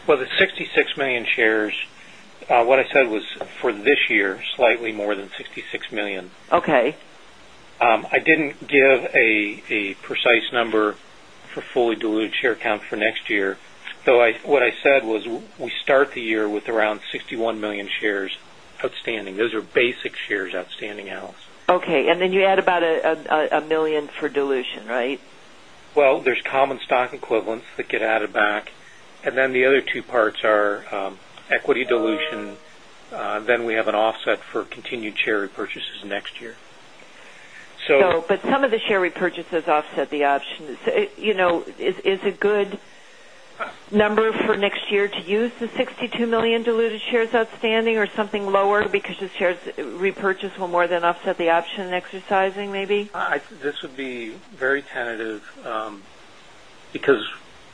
The 66 million shares, what I said was for this year, slightly more than 66 million. Okay. I didn't give a precise number for fully diluted share count for next year, though what I said was we start the year with around 61 million shares outstanding. Those are basic shares outstanding, Alice. Okay, you add about $1 million for dilution, right? There are common stock equivalents that get added back. The other two parts are equity dilution, and we have an offset for continued share repurchases next year. Some of the share repurchases offset the option. You know, is a good number for next year to use the 62 million diluted shares outstanding or something lower because the shares repurchase will more than offset the option in exercising, maybe? This would be very tentative because,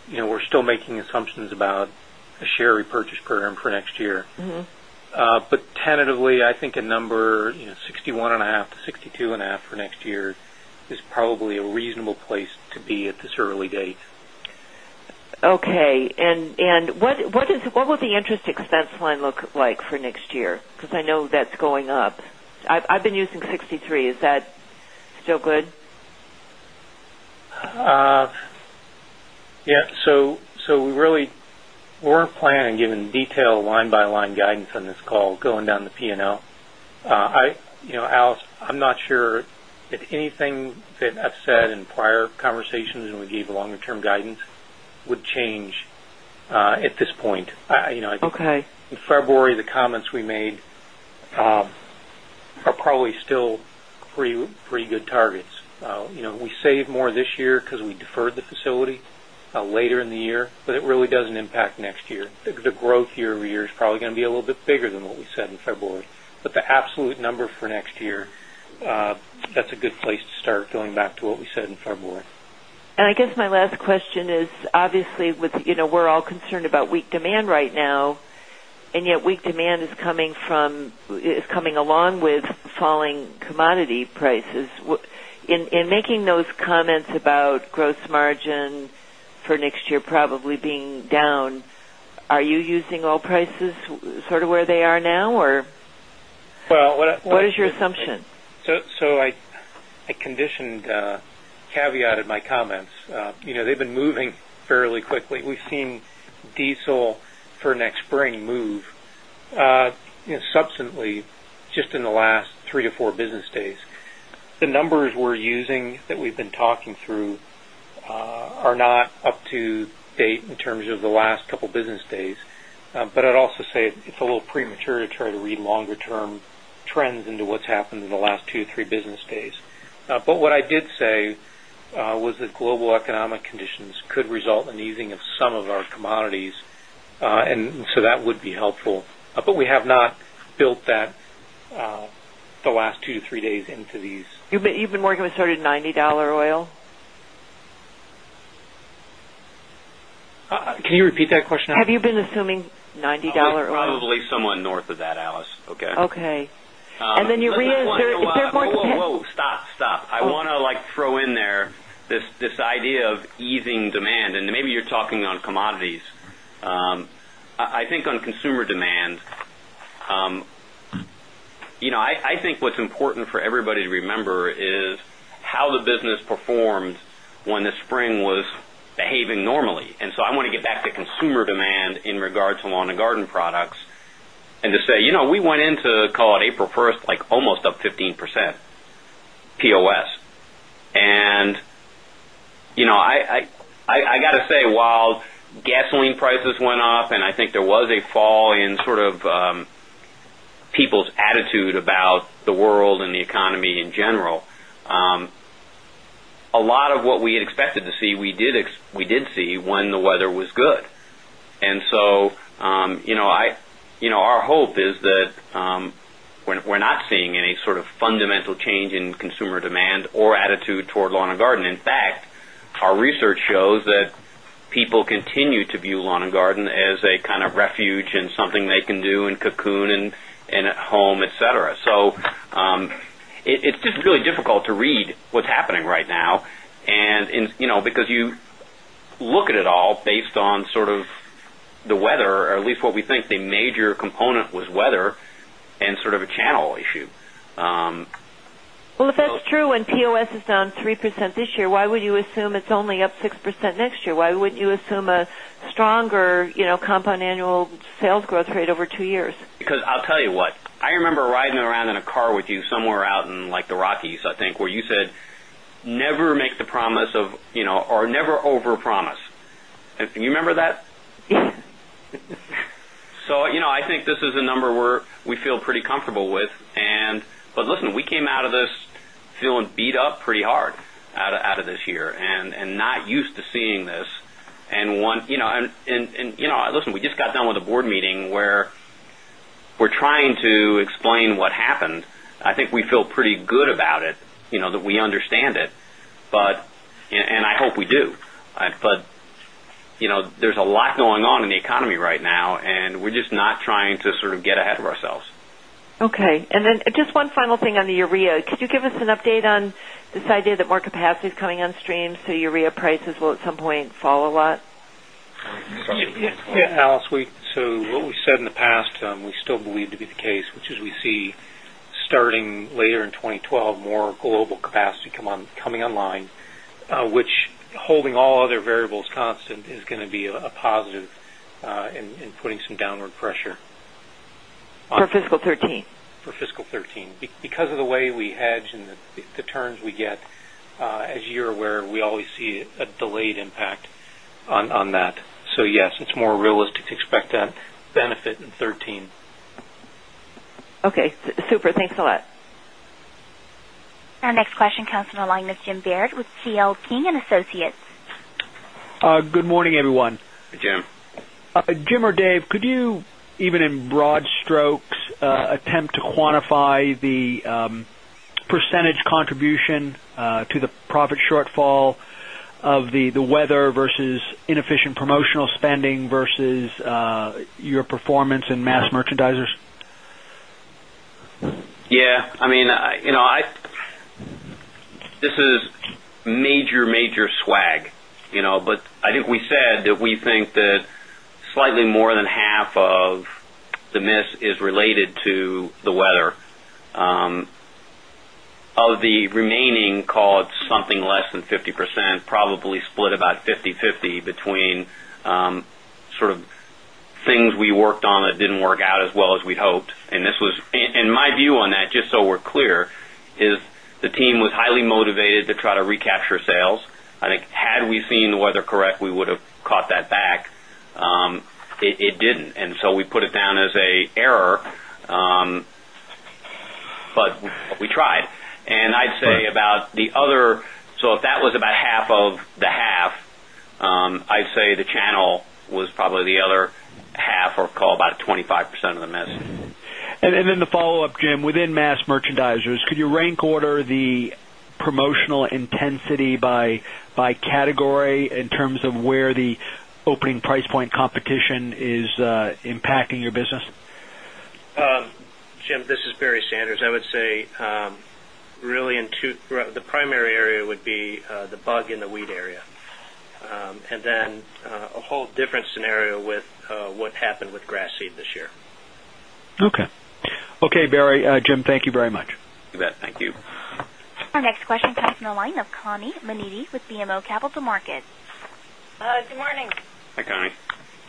you know, we're still making assumptions about a share repurchase program for next year. Tentatively, I think a number, you know, $61.5 million-$62.5 million for next year is probably a reasonable place to be at this early date. Okay. What would the interest expense line look like for next year? I know that's going up. I've been using $63 million. Is that still good? Yeah. We really weren't planning on giving detailed line-by-line guidance on this call going down the P&L. Alice, I'm not sure that anything that I've said in prior conversations when we gave long-term guidance would change at this point. In February, the comments we made are probably still pretty good targets. We saved more this year because we deferred the facility later in the year, but it really doesn't impact next year. The growth year-over-year is probably going to be a little bit bigger than what we said in February. The absolute number for next year, that's a good place to start going back to what we said in February. I guess my last question is, obviously, you know, we're all concerned about weak demand right now, and yet weak demand is coming from, is coming along with falling commodity prices. In making those comments about gross margin for next year probably being down, are you using all prices sort of where they are now, or what is your assumption? I conditioned the caveat of my comments. You know, they've been moving fairly quickly. We've seen diesel for next spring move subsequently just in the last three to four business days. The numbers we're using that we've been talking through are not up to date in terms of the last couple of business days. I'd also say it's a little premature to try to read longer term trends into what's happened in the last two to three business days. What I did say was that global economic conditions could result in the easing of some of our commodities, and that would be helpful. We have not built that the last two to three days into these. You've been working with sort of $90 oil? Can you repeat that question? Have you been assuming $90 oil? Probably somewhat north of that, Alice. Okay. Okay. Is there more urea? I want to throw in there this idea of easing demand. Maybe you're talking on commodities. I think on consumer demand, what's important for everybody to remember is how the business performed when the spring was behaving normally. I want to get back to consumer demand in regard to Lawn and Garden products and to say, we went into, call it, April 1st, almost up 15% POS. I got to say, while gasoline prices went up and I think there was a fall in sort of people's attitude about the world and the economy in general, a lot of what we had expected to see, we did see when the weather was good. Our hope is that we're not seeing any sort of fundamental change in consumer demand or attitude toward Lawn and Garden. In fact, our research shows that people continue to view lawn and garden as a kind of refuge and something they can do in cocoon and at home, etc. It's just really difficult to read what's happening right now. You look at it all based on the weather, or at least what we think the major component was weather and sort of a channel issue. If that's true, and POS is down 3% this year, why would you assume it's only up 6% next year? Why wouldn't you assume a stronger, you know, compound annual sales growth rate over two years? Because I'll tell you what, I remember riding around in a car with you somewhere out in, like, the Rockies, I think, where you said, "Never make the promise of, you know, or never overpromise." You remember that? Yeah. I think this is a number where we feel pretty comfortable with, but listen, we came out of this feeling beat up pretty hard out of this year and not used to seeing this. You know, we just got done with a board meeting where we're trying to explain what happened. I think we feel pretty good about it, you know, that we understand it. I hope we do. You know, there's a lot going on in the economy right now, and we're just not trying to sort of get ahead of ourselves. Okay. Just one final thing on the urea. Could you give us an update on this idea that more capacity is coming on stream? Urea prices will at some point fall a lot? Yeah, Alice, what we said in the past, we still believe to be the case, which is we see starting later in 2012 more global capacity coming online, which, holding all other variables constant, is going to be a positive in putting some downward pressure. For fiscal 2013? For fiscal 2013, because of the way we hedge and the turns we get, as you're aware, we always see a delayed impact on that. Yes, it's more realistic to expect that benefit in 2013. Okay. Super. Thanks a lot. Our next question comes from the line of Jim Barrett with C.L. King & Associates. Good morning, everyone. Hey, Jim. Jim or Dave, could you, even in broad strokes, attempt to quantify the percentage contribution to the profit shortfall of the weather vs inefficient promotional spending vs your performance in mass merchandisers? Yeah. I mean, you know, this is major, major swag, you know, but I think we said that we think that slightly more than half of the miss is related to the weather. Of the remaining, call it something less than 50%, probably split about 50/50 between sort of things we worked on that didn't work out as well as we'd hoped. This was, and my view on that, just so we're clear, is the team was highly motivated to try to recapture sales. I think had we seen the weather correct, we would have caught that back. It didn't. We put it down as an error, but we tried. I'd say about the other, so if that was about half of the half, I'd say the channel was probably the other half or call about 25% of the miss. Jim, within mass merchandisers, could you rank order the promotional intensity by category in terms of where the opening price point competition is impacting your business? Jim, this is Barry Sanders. I would say really in two, the primary area would be the bug in the wheat area, and then a whole different scenario with what happened with grass seed this year. Okay. Okay, Barry. Jim, thank you very much. You bet. Thank you. Our next question comes from the line of Connie Maneaty with BMO Capital Markets. Good morning. Hi, Connie.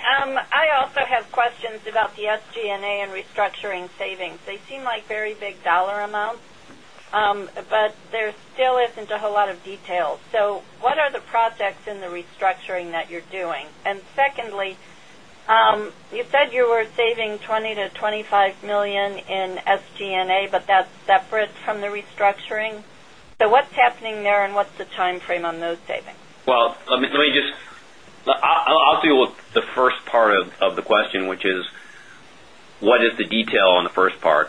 I also have questions about the SG&A and restructuring savings. They seem like very big dollar amounts, but there still isn't a whole lot of detail. What are the projects in the restructuring that you're doing? You said you were saving $20 million-$25 million in SG&A, but that's separate from the restructuring. What's happening there, and what's the timeframe on those savings? Let me just deal with the first part of the question, which is what is the detail on the first part?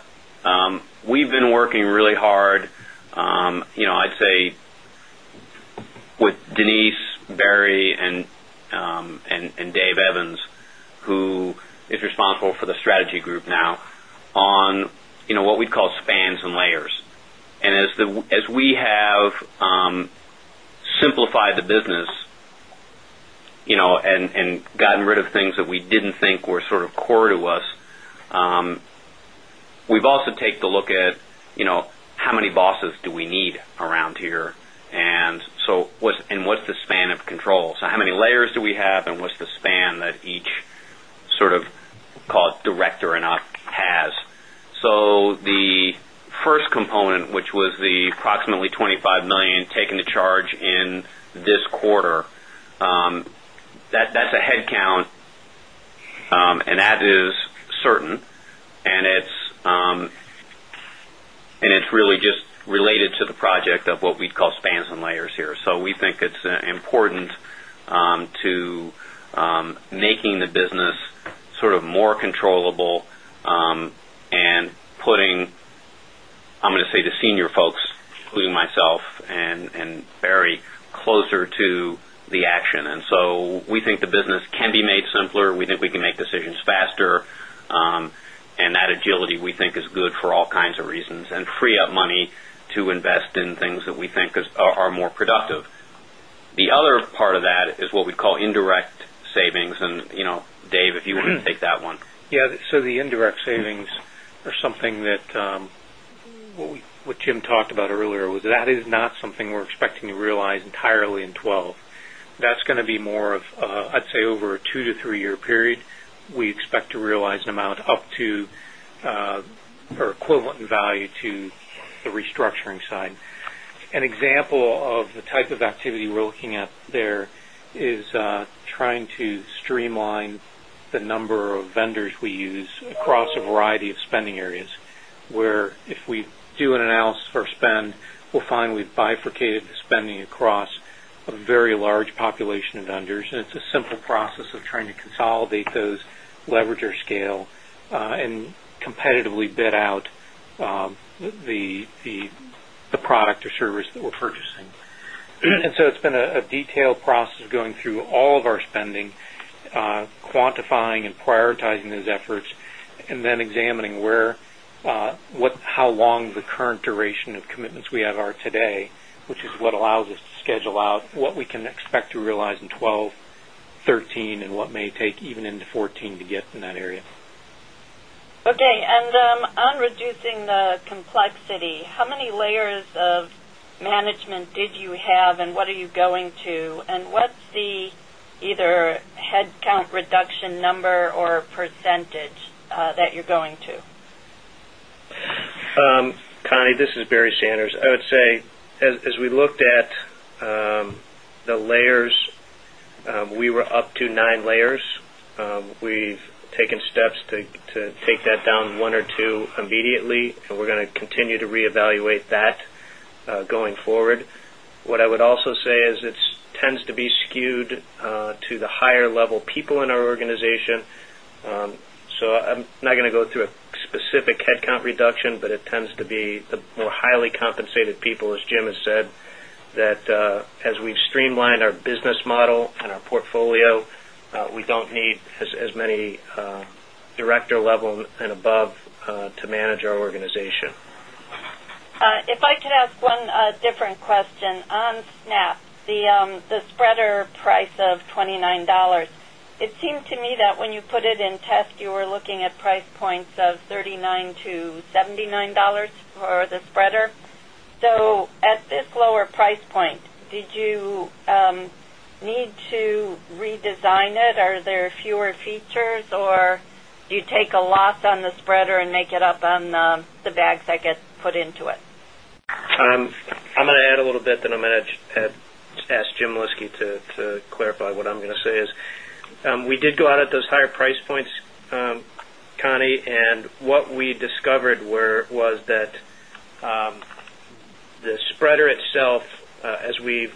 We've been working really hard. I'd say with Denise, Barry, and Dave Evans, who is responsible for the strategy group now, on what we'd call spans and layers. As we have simplified the business and gotten rid of things that we didn't think were sort of core to us, we've also taken a look at how many bosses do we need around here? What's the span of control? How many layers do we have, and what's the span that each, sort of, call it, director and up has? The first component, which was the approximately $25 million taking the charge in this quarter, that's a headcount, and that is certain. It's really just related to the project of what we'd call spans and layers here. We think it's important to making the business sort of more controllable and putting, I'm going to say, the senior folks, including myself and Barry, closer to the action. We think the business can be made simpler. We think we can make decisions faster. That agility, we think, is good for all kinds of reasons and frees up money to invest in things that we think are more productive. The other part of that is what we'd call indirect savings. Dave, if you were to take that one. Yeah. The indirect savings are something that what Jim talked about earlier is not something we're expecting to realize entirely in 2012. That's going to be more of, I'd say, over a two to three-year period. We expect to realize an amount up to or equivalent in value to the restructuring side. An example of the type of activity we're looking at there is trying to streamline the number of vendors we use across a variety of spending areas where, if we do an analysis of our spend, we'll find we've bifurcated the spending across a very large population of vendors. It's a simple process of trying to consolidate those, leverage our scale, and competitively bid out the product or service that we're purchasing. It's been a detailed process of going through all of our spending, quantifying and prioritizing those efforts, and then examining where, how long the current duration of commitments we have are today, which is what allows us to schedule out what we can expect to realize in 2012, 2013, and what may take even into 2014 to get in that area. Okay. On reducing the complexity, how many layers of management did you have, and what are you going to, and what's the either headcount reduction number or percentage that you're going to? Connie, this is Barry Sanders. I would say, as we looked at the layers, we were up to nine layers. We've taken steps to take that down one or two immediately, and we're going to continue to reevaluate that going forward. What I would also say is it tends to be skewed to the higher-level people in our organization. I'm not going to go through a specific headcount reduction, but it tends to be the more highly compensated people, as Jim has said, that as we've streamlined our business model and our portfolio, we don't need as many director-level and above to manage our organization. If I could ask one different question on Snap, the spreader price of $29, it seemed to me that when you put it in test, you were looking at price points of $39-$79 for the spreader. At this lower price point, did you need to redesign it? Are there fewer features, or do you take a loss on the spreader and make it up on the bags that get put into it? I'm going to add a little bit, then I'm going to ask Jim Lyski to clarify what I'm going to say. We did go out at those higher price points, Connie, and what we discovered was that the spreader itself, as we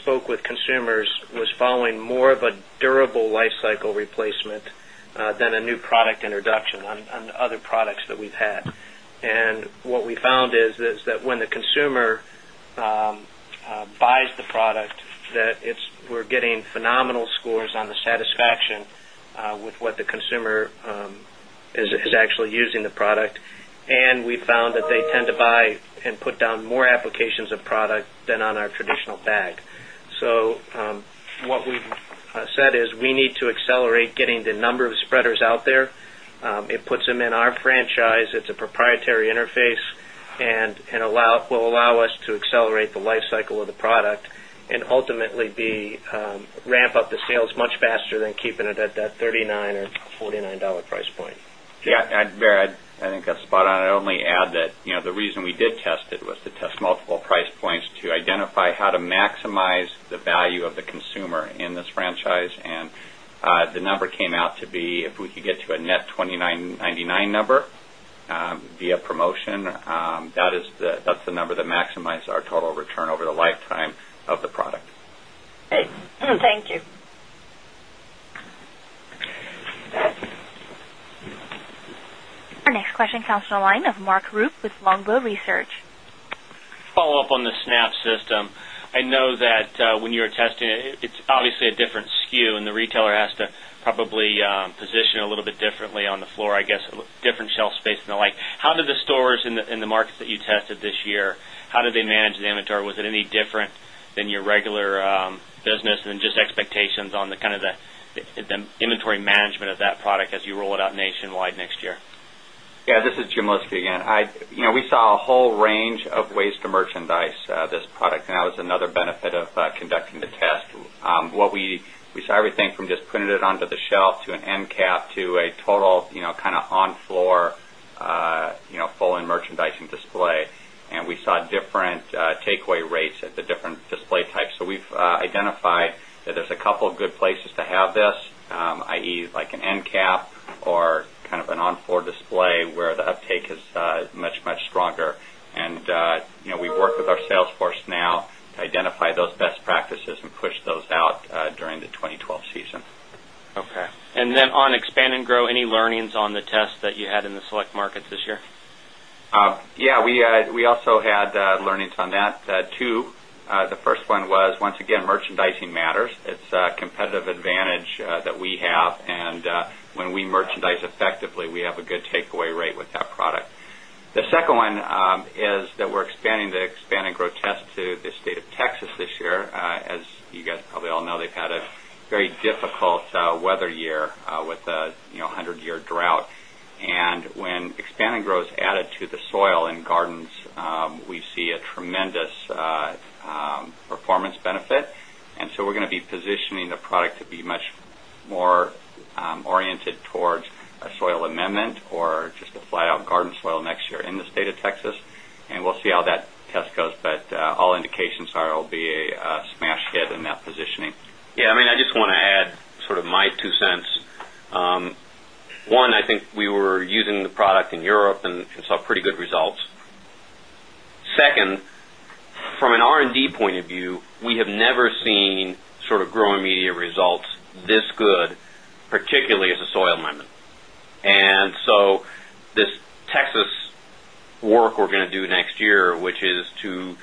spoke with consumers, was following more of a durable lifecycle replacement than a new product introduction on other products that we've had. What we found is that when the consumer buys the product, we're getting phenomenal scores on the satisfaction with what the consumer is actually using the product. We found that they tend to buy and put down more applications of product than on our traditional bag. What we've said is we need to accelerate getting the number of spreaders out there. It puts them in our franchise. It's a proprietary interface and will allow us to accelerate the lifecycle of the product and ultimately ramp up the sales much faster than keeping it at that $39 or $49 price point. Yeah. Barry, I think that's spot on. I'd only add that the reason we did test it was to test multiple price points to identify how to maximize the value of the consumer in this franchise. The number came out to be, if we could get to a net $29.99 number via promotion, that's the number that maximizes our total return over the lifetime of the product. Great, thank you. Our next question comes from a line of Mark Rupe with Longbow Research. Just follow up on the Snap system. I know that when you're testing it, it's obviously a different SKU, and the retailer has to probably position it a little bit differently on the floor, I guess, different shelf space and the like. How did the stores in the markets that you tested this year, how did they manage the inventory? Was it any different than your regular business, and just expectations on the kind of the inventory management of that product as you roll it out nationwide next year? Yeah. This is Jim Lyski again. We saw a whole range of ways to merchandise this product, and that was another benefit of conducting the test. We saw everything from just putting it onto the shelf to an endcap to a total, you know, kind of on-floor, you know, full-in merchandising display. We saw different takeaway rates at the different display types. We've identified that there's a couple of good places to have this, i.e., like an endcap or kind of an on-floor display where the uptake is much, much smaller. Sure. We have worked with our sales force now to identify those best practices and push those out during the 2012 season. Okay. On expand and grow, any learnings on the tests that you had in the select markets this year? Yeah, we also had learnings on that, too. The first one was, once again, merchandising matters. It's a competitive advantage that we have, and when we merchandise effectively, we have a good takeaway rate with that product. The second one is that we're expanding the Expand 'n Gro test to the state of Texas this year. As you guys probably all know, they've had a very difficult weather year, with a, you know, 100-year drought. When Expand 'n Gro is added to the soil in gardens, we see a tremendous performance benefit. We're going to be positioning the product to be much more oriented towards a soil amendment or just a fly-out garden soil next year in the state of Texas. We'll see how that test goes. All indications are it'll be a smash hit in that positioning. Yeah, I mean, I just want to add sort of my two cents. One, I think we were using the product in Europe and saw pretty good results. Second, from an R&D point of view, we have never seen sort of growing media results this good, particularly as a soil amendment. This Texas work we're going to do next year is to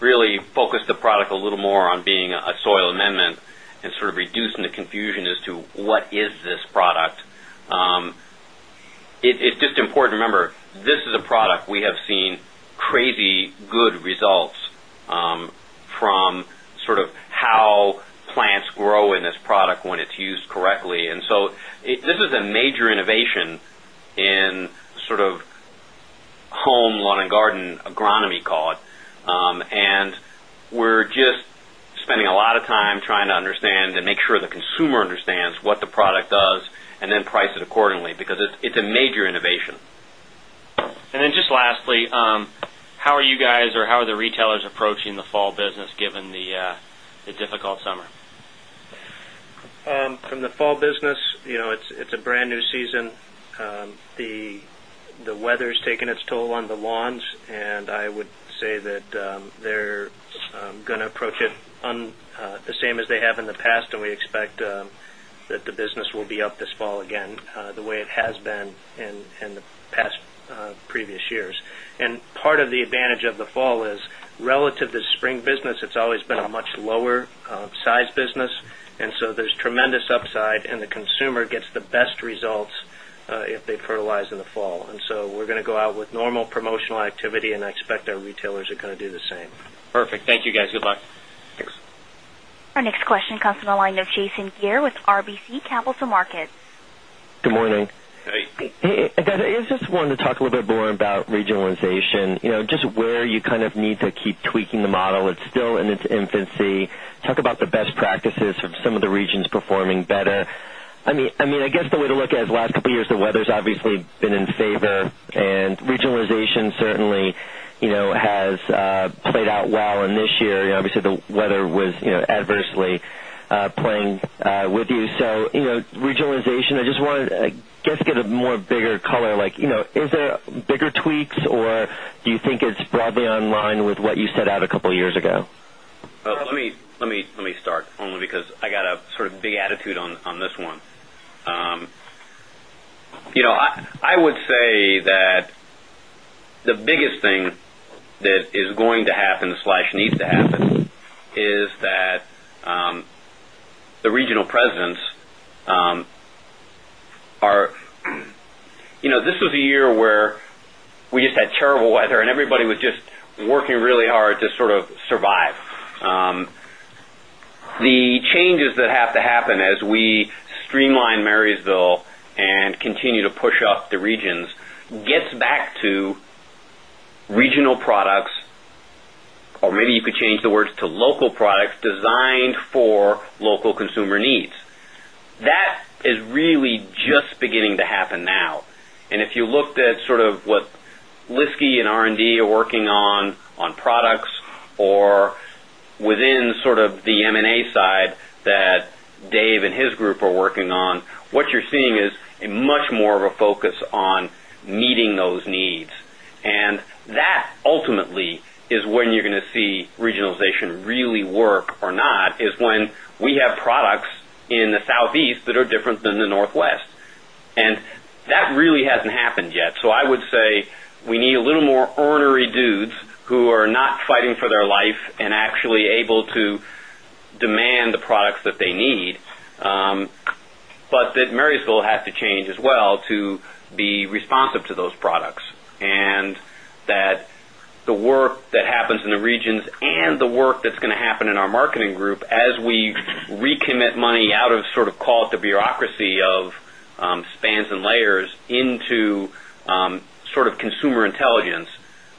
really focus the product a little more on being a soil amendment and sort of reducing the confusion as to what is this product. It's just important to remember this is a product we have seen crazy good results from, sort of how plants grow in this product when it's used correctly. This is a major innovation in sort of home lawn and garden agronomy, call it. We're just spending a lot of time trying to understand and make sure the consumer understands what the product does and then price it accordingly because it's a major innovation. Lastly, how are you guys or how are the retailers approaching the fall business given the difficult summer? From the fall business, you know, it's a brand new season. The weather's taken its toll on the lawns, and I would say that they're going to approach it the same as they have in the past. We expect that the business will be up this fall again, the way it has been in previous years. Part of the advantage of the fall is relative to the spring business, it's always been a much lower size business. There's tremendous upside, and the consumer gets the best results if they fertilize in the fall. We're going to go out with normal promotional activity, and I expect our retailers are going to do the same. Perfect. Thank you, guys. Good luck. Thanks. Our next question comes from the line of Jason Gere with RBC Capital Markets. Good morning. Hey. Hey, guys, I guess I just wanted to talk a little bit more about regionalization, you know, just where you kind of need to keep tweaking the model. It's still in its infancy. Talk about the best practices of some of the regions performing better. I guess the way to look at it is the last couple of years, the weather's obviously been in favor, and regionalization certainly has played out well. This year, obviously the weather was adversely playing with you. Regionalization, I just want to get a more bigger color. Like, is there bigger tweaks, or do you think it's broadly online with what you set out a couple of years ago? Let me start only because I got a sort of big attitude on this one. I would say that the biggest thing that is going to happen or needs to happen is that the regional presidents are, you know, this was a year where we just had terrible weather, and everybody was just working really hard to sort of survive. The changes that have to happen as we streamline Marysville and continue to push up the regions gets back to regional products, or maybe you could change the words to local products designed for local consumer needs. That is really just beginning to happen now. If you looked at sort of what Lyski and R&D are working on, on products or within sort of the M&A side that Dave and his group are working on, what you're seeing is much more of a focus on meeting those needs. That ultimately is when you're going to see regionalization really work or not, is when we have products in the Southeast that are different than the Northwest. That really hasn't happened yet. I would say we need a little more ornery dudes who are not fighting for their life and actually able to demand the products that they need, but Marysville has to change as well to be responsive to those products. The work that happens in the regions and the work that's going to happen in our marketing group as we recommit money out of sort of call it the bureaucracy of spans and layers into sort of consumer intelligence,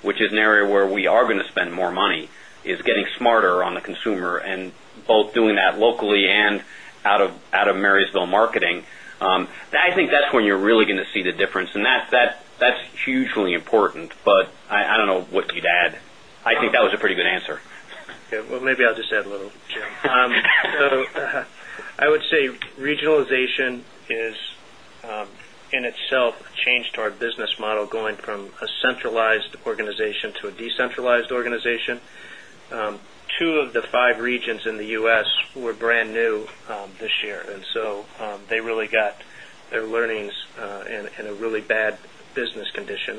which is an area where we are going to spend more money, is getting smarter on the consumer and both doing that locally and out of Marysville marketing. I think that's when you're really going to see the difference. That's hugely important. I don't know what you'd add. I think that was a pretty good answer. Yeah, maybe I'll just add a little, Jim. I would say regionalization is, in itself, a change to our business model going from a centralized organization to a decentralized organization. Two of the five regions in the U.S. were brand new this year, and they really got their learnings in a really bad business condition.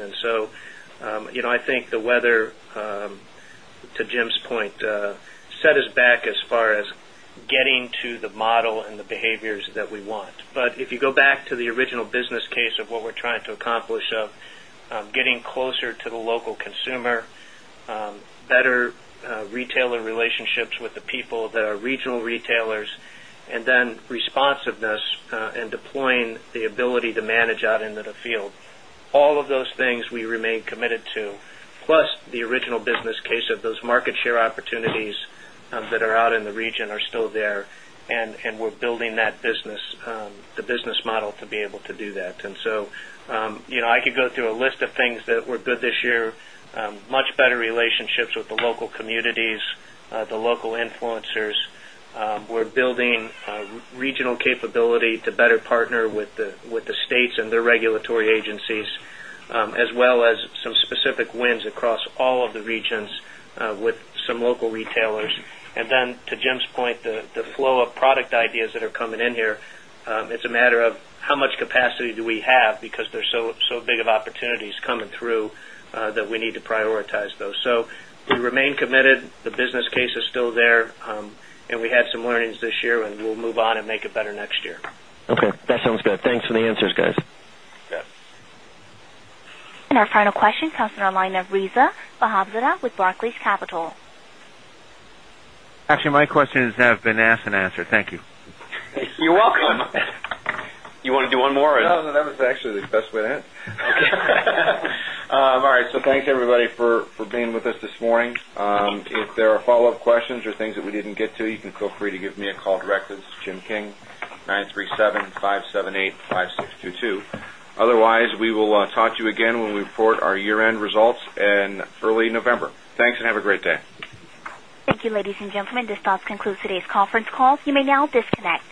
I think the weather, to Jim's point, set us back as far as getting to the model and the behaviors that we want. If you go back to the original business case of what we're trying to accomplish, of getting closer to the local consumer, better retailer relationships with the people that are regional retailers, and then responsiveness, and deploying the ability to manage out into the field, all of those things we remain committed to, plus the original business case of those market share opportunities that are out in the region are still there. We're building that business, the business model to be able to do that. I could go through a list of things that were good this year, much better relationships with the local communities, the local influencers. We're building regional capability to better partner with the states and their regulatory agencies, as well as some specific wins across all of the regions with some local retailers. To Jim's point, the flow of product ideas that are coming in here, it's a matter of how much capacity do we have because there's so, so big of opportunities coming through that we need to prioritize those. We remain committed. The business case is still there, and we had some learnings this year, and we'll move on and make it better next year. Okay. That sounds good. Thanks for the answers, guys. Yeah. Our final question comes from the line of Reza Vahabzadeh with Barclays Capital. Actually, my questions have been asked and answered. Thank you. Thank you. You're welcome. You want to do one more, or? No, that was actually the best way to end. All right. Thanks, everybody, for being with us this morning. If there are follow-up questions or things that we didn't get to, you can feel free to give me a call directly. This is Jim King, 937-578-5622. Otherwise, we will talk to you again when we report our year-end results in early November. Thanks, and have a great day. Thank you, ladies and gentlemen. This does conclude today's conference call. You may now disconnect.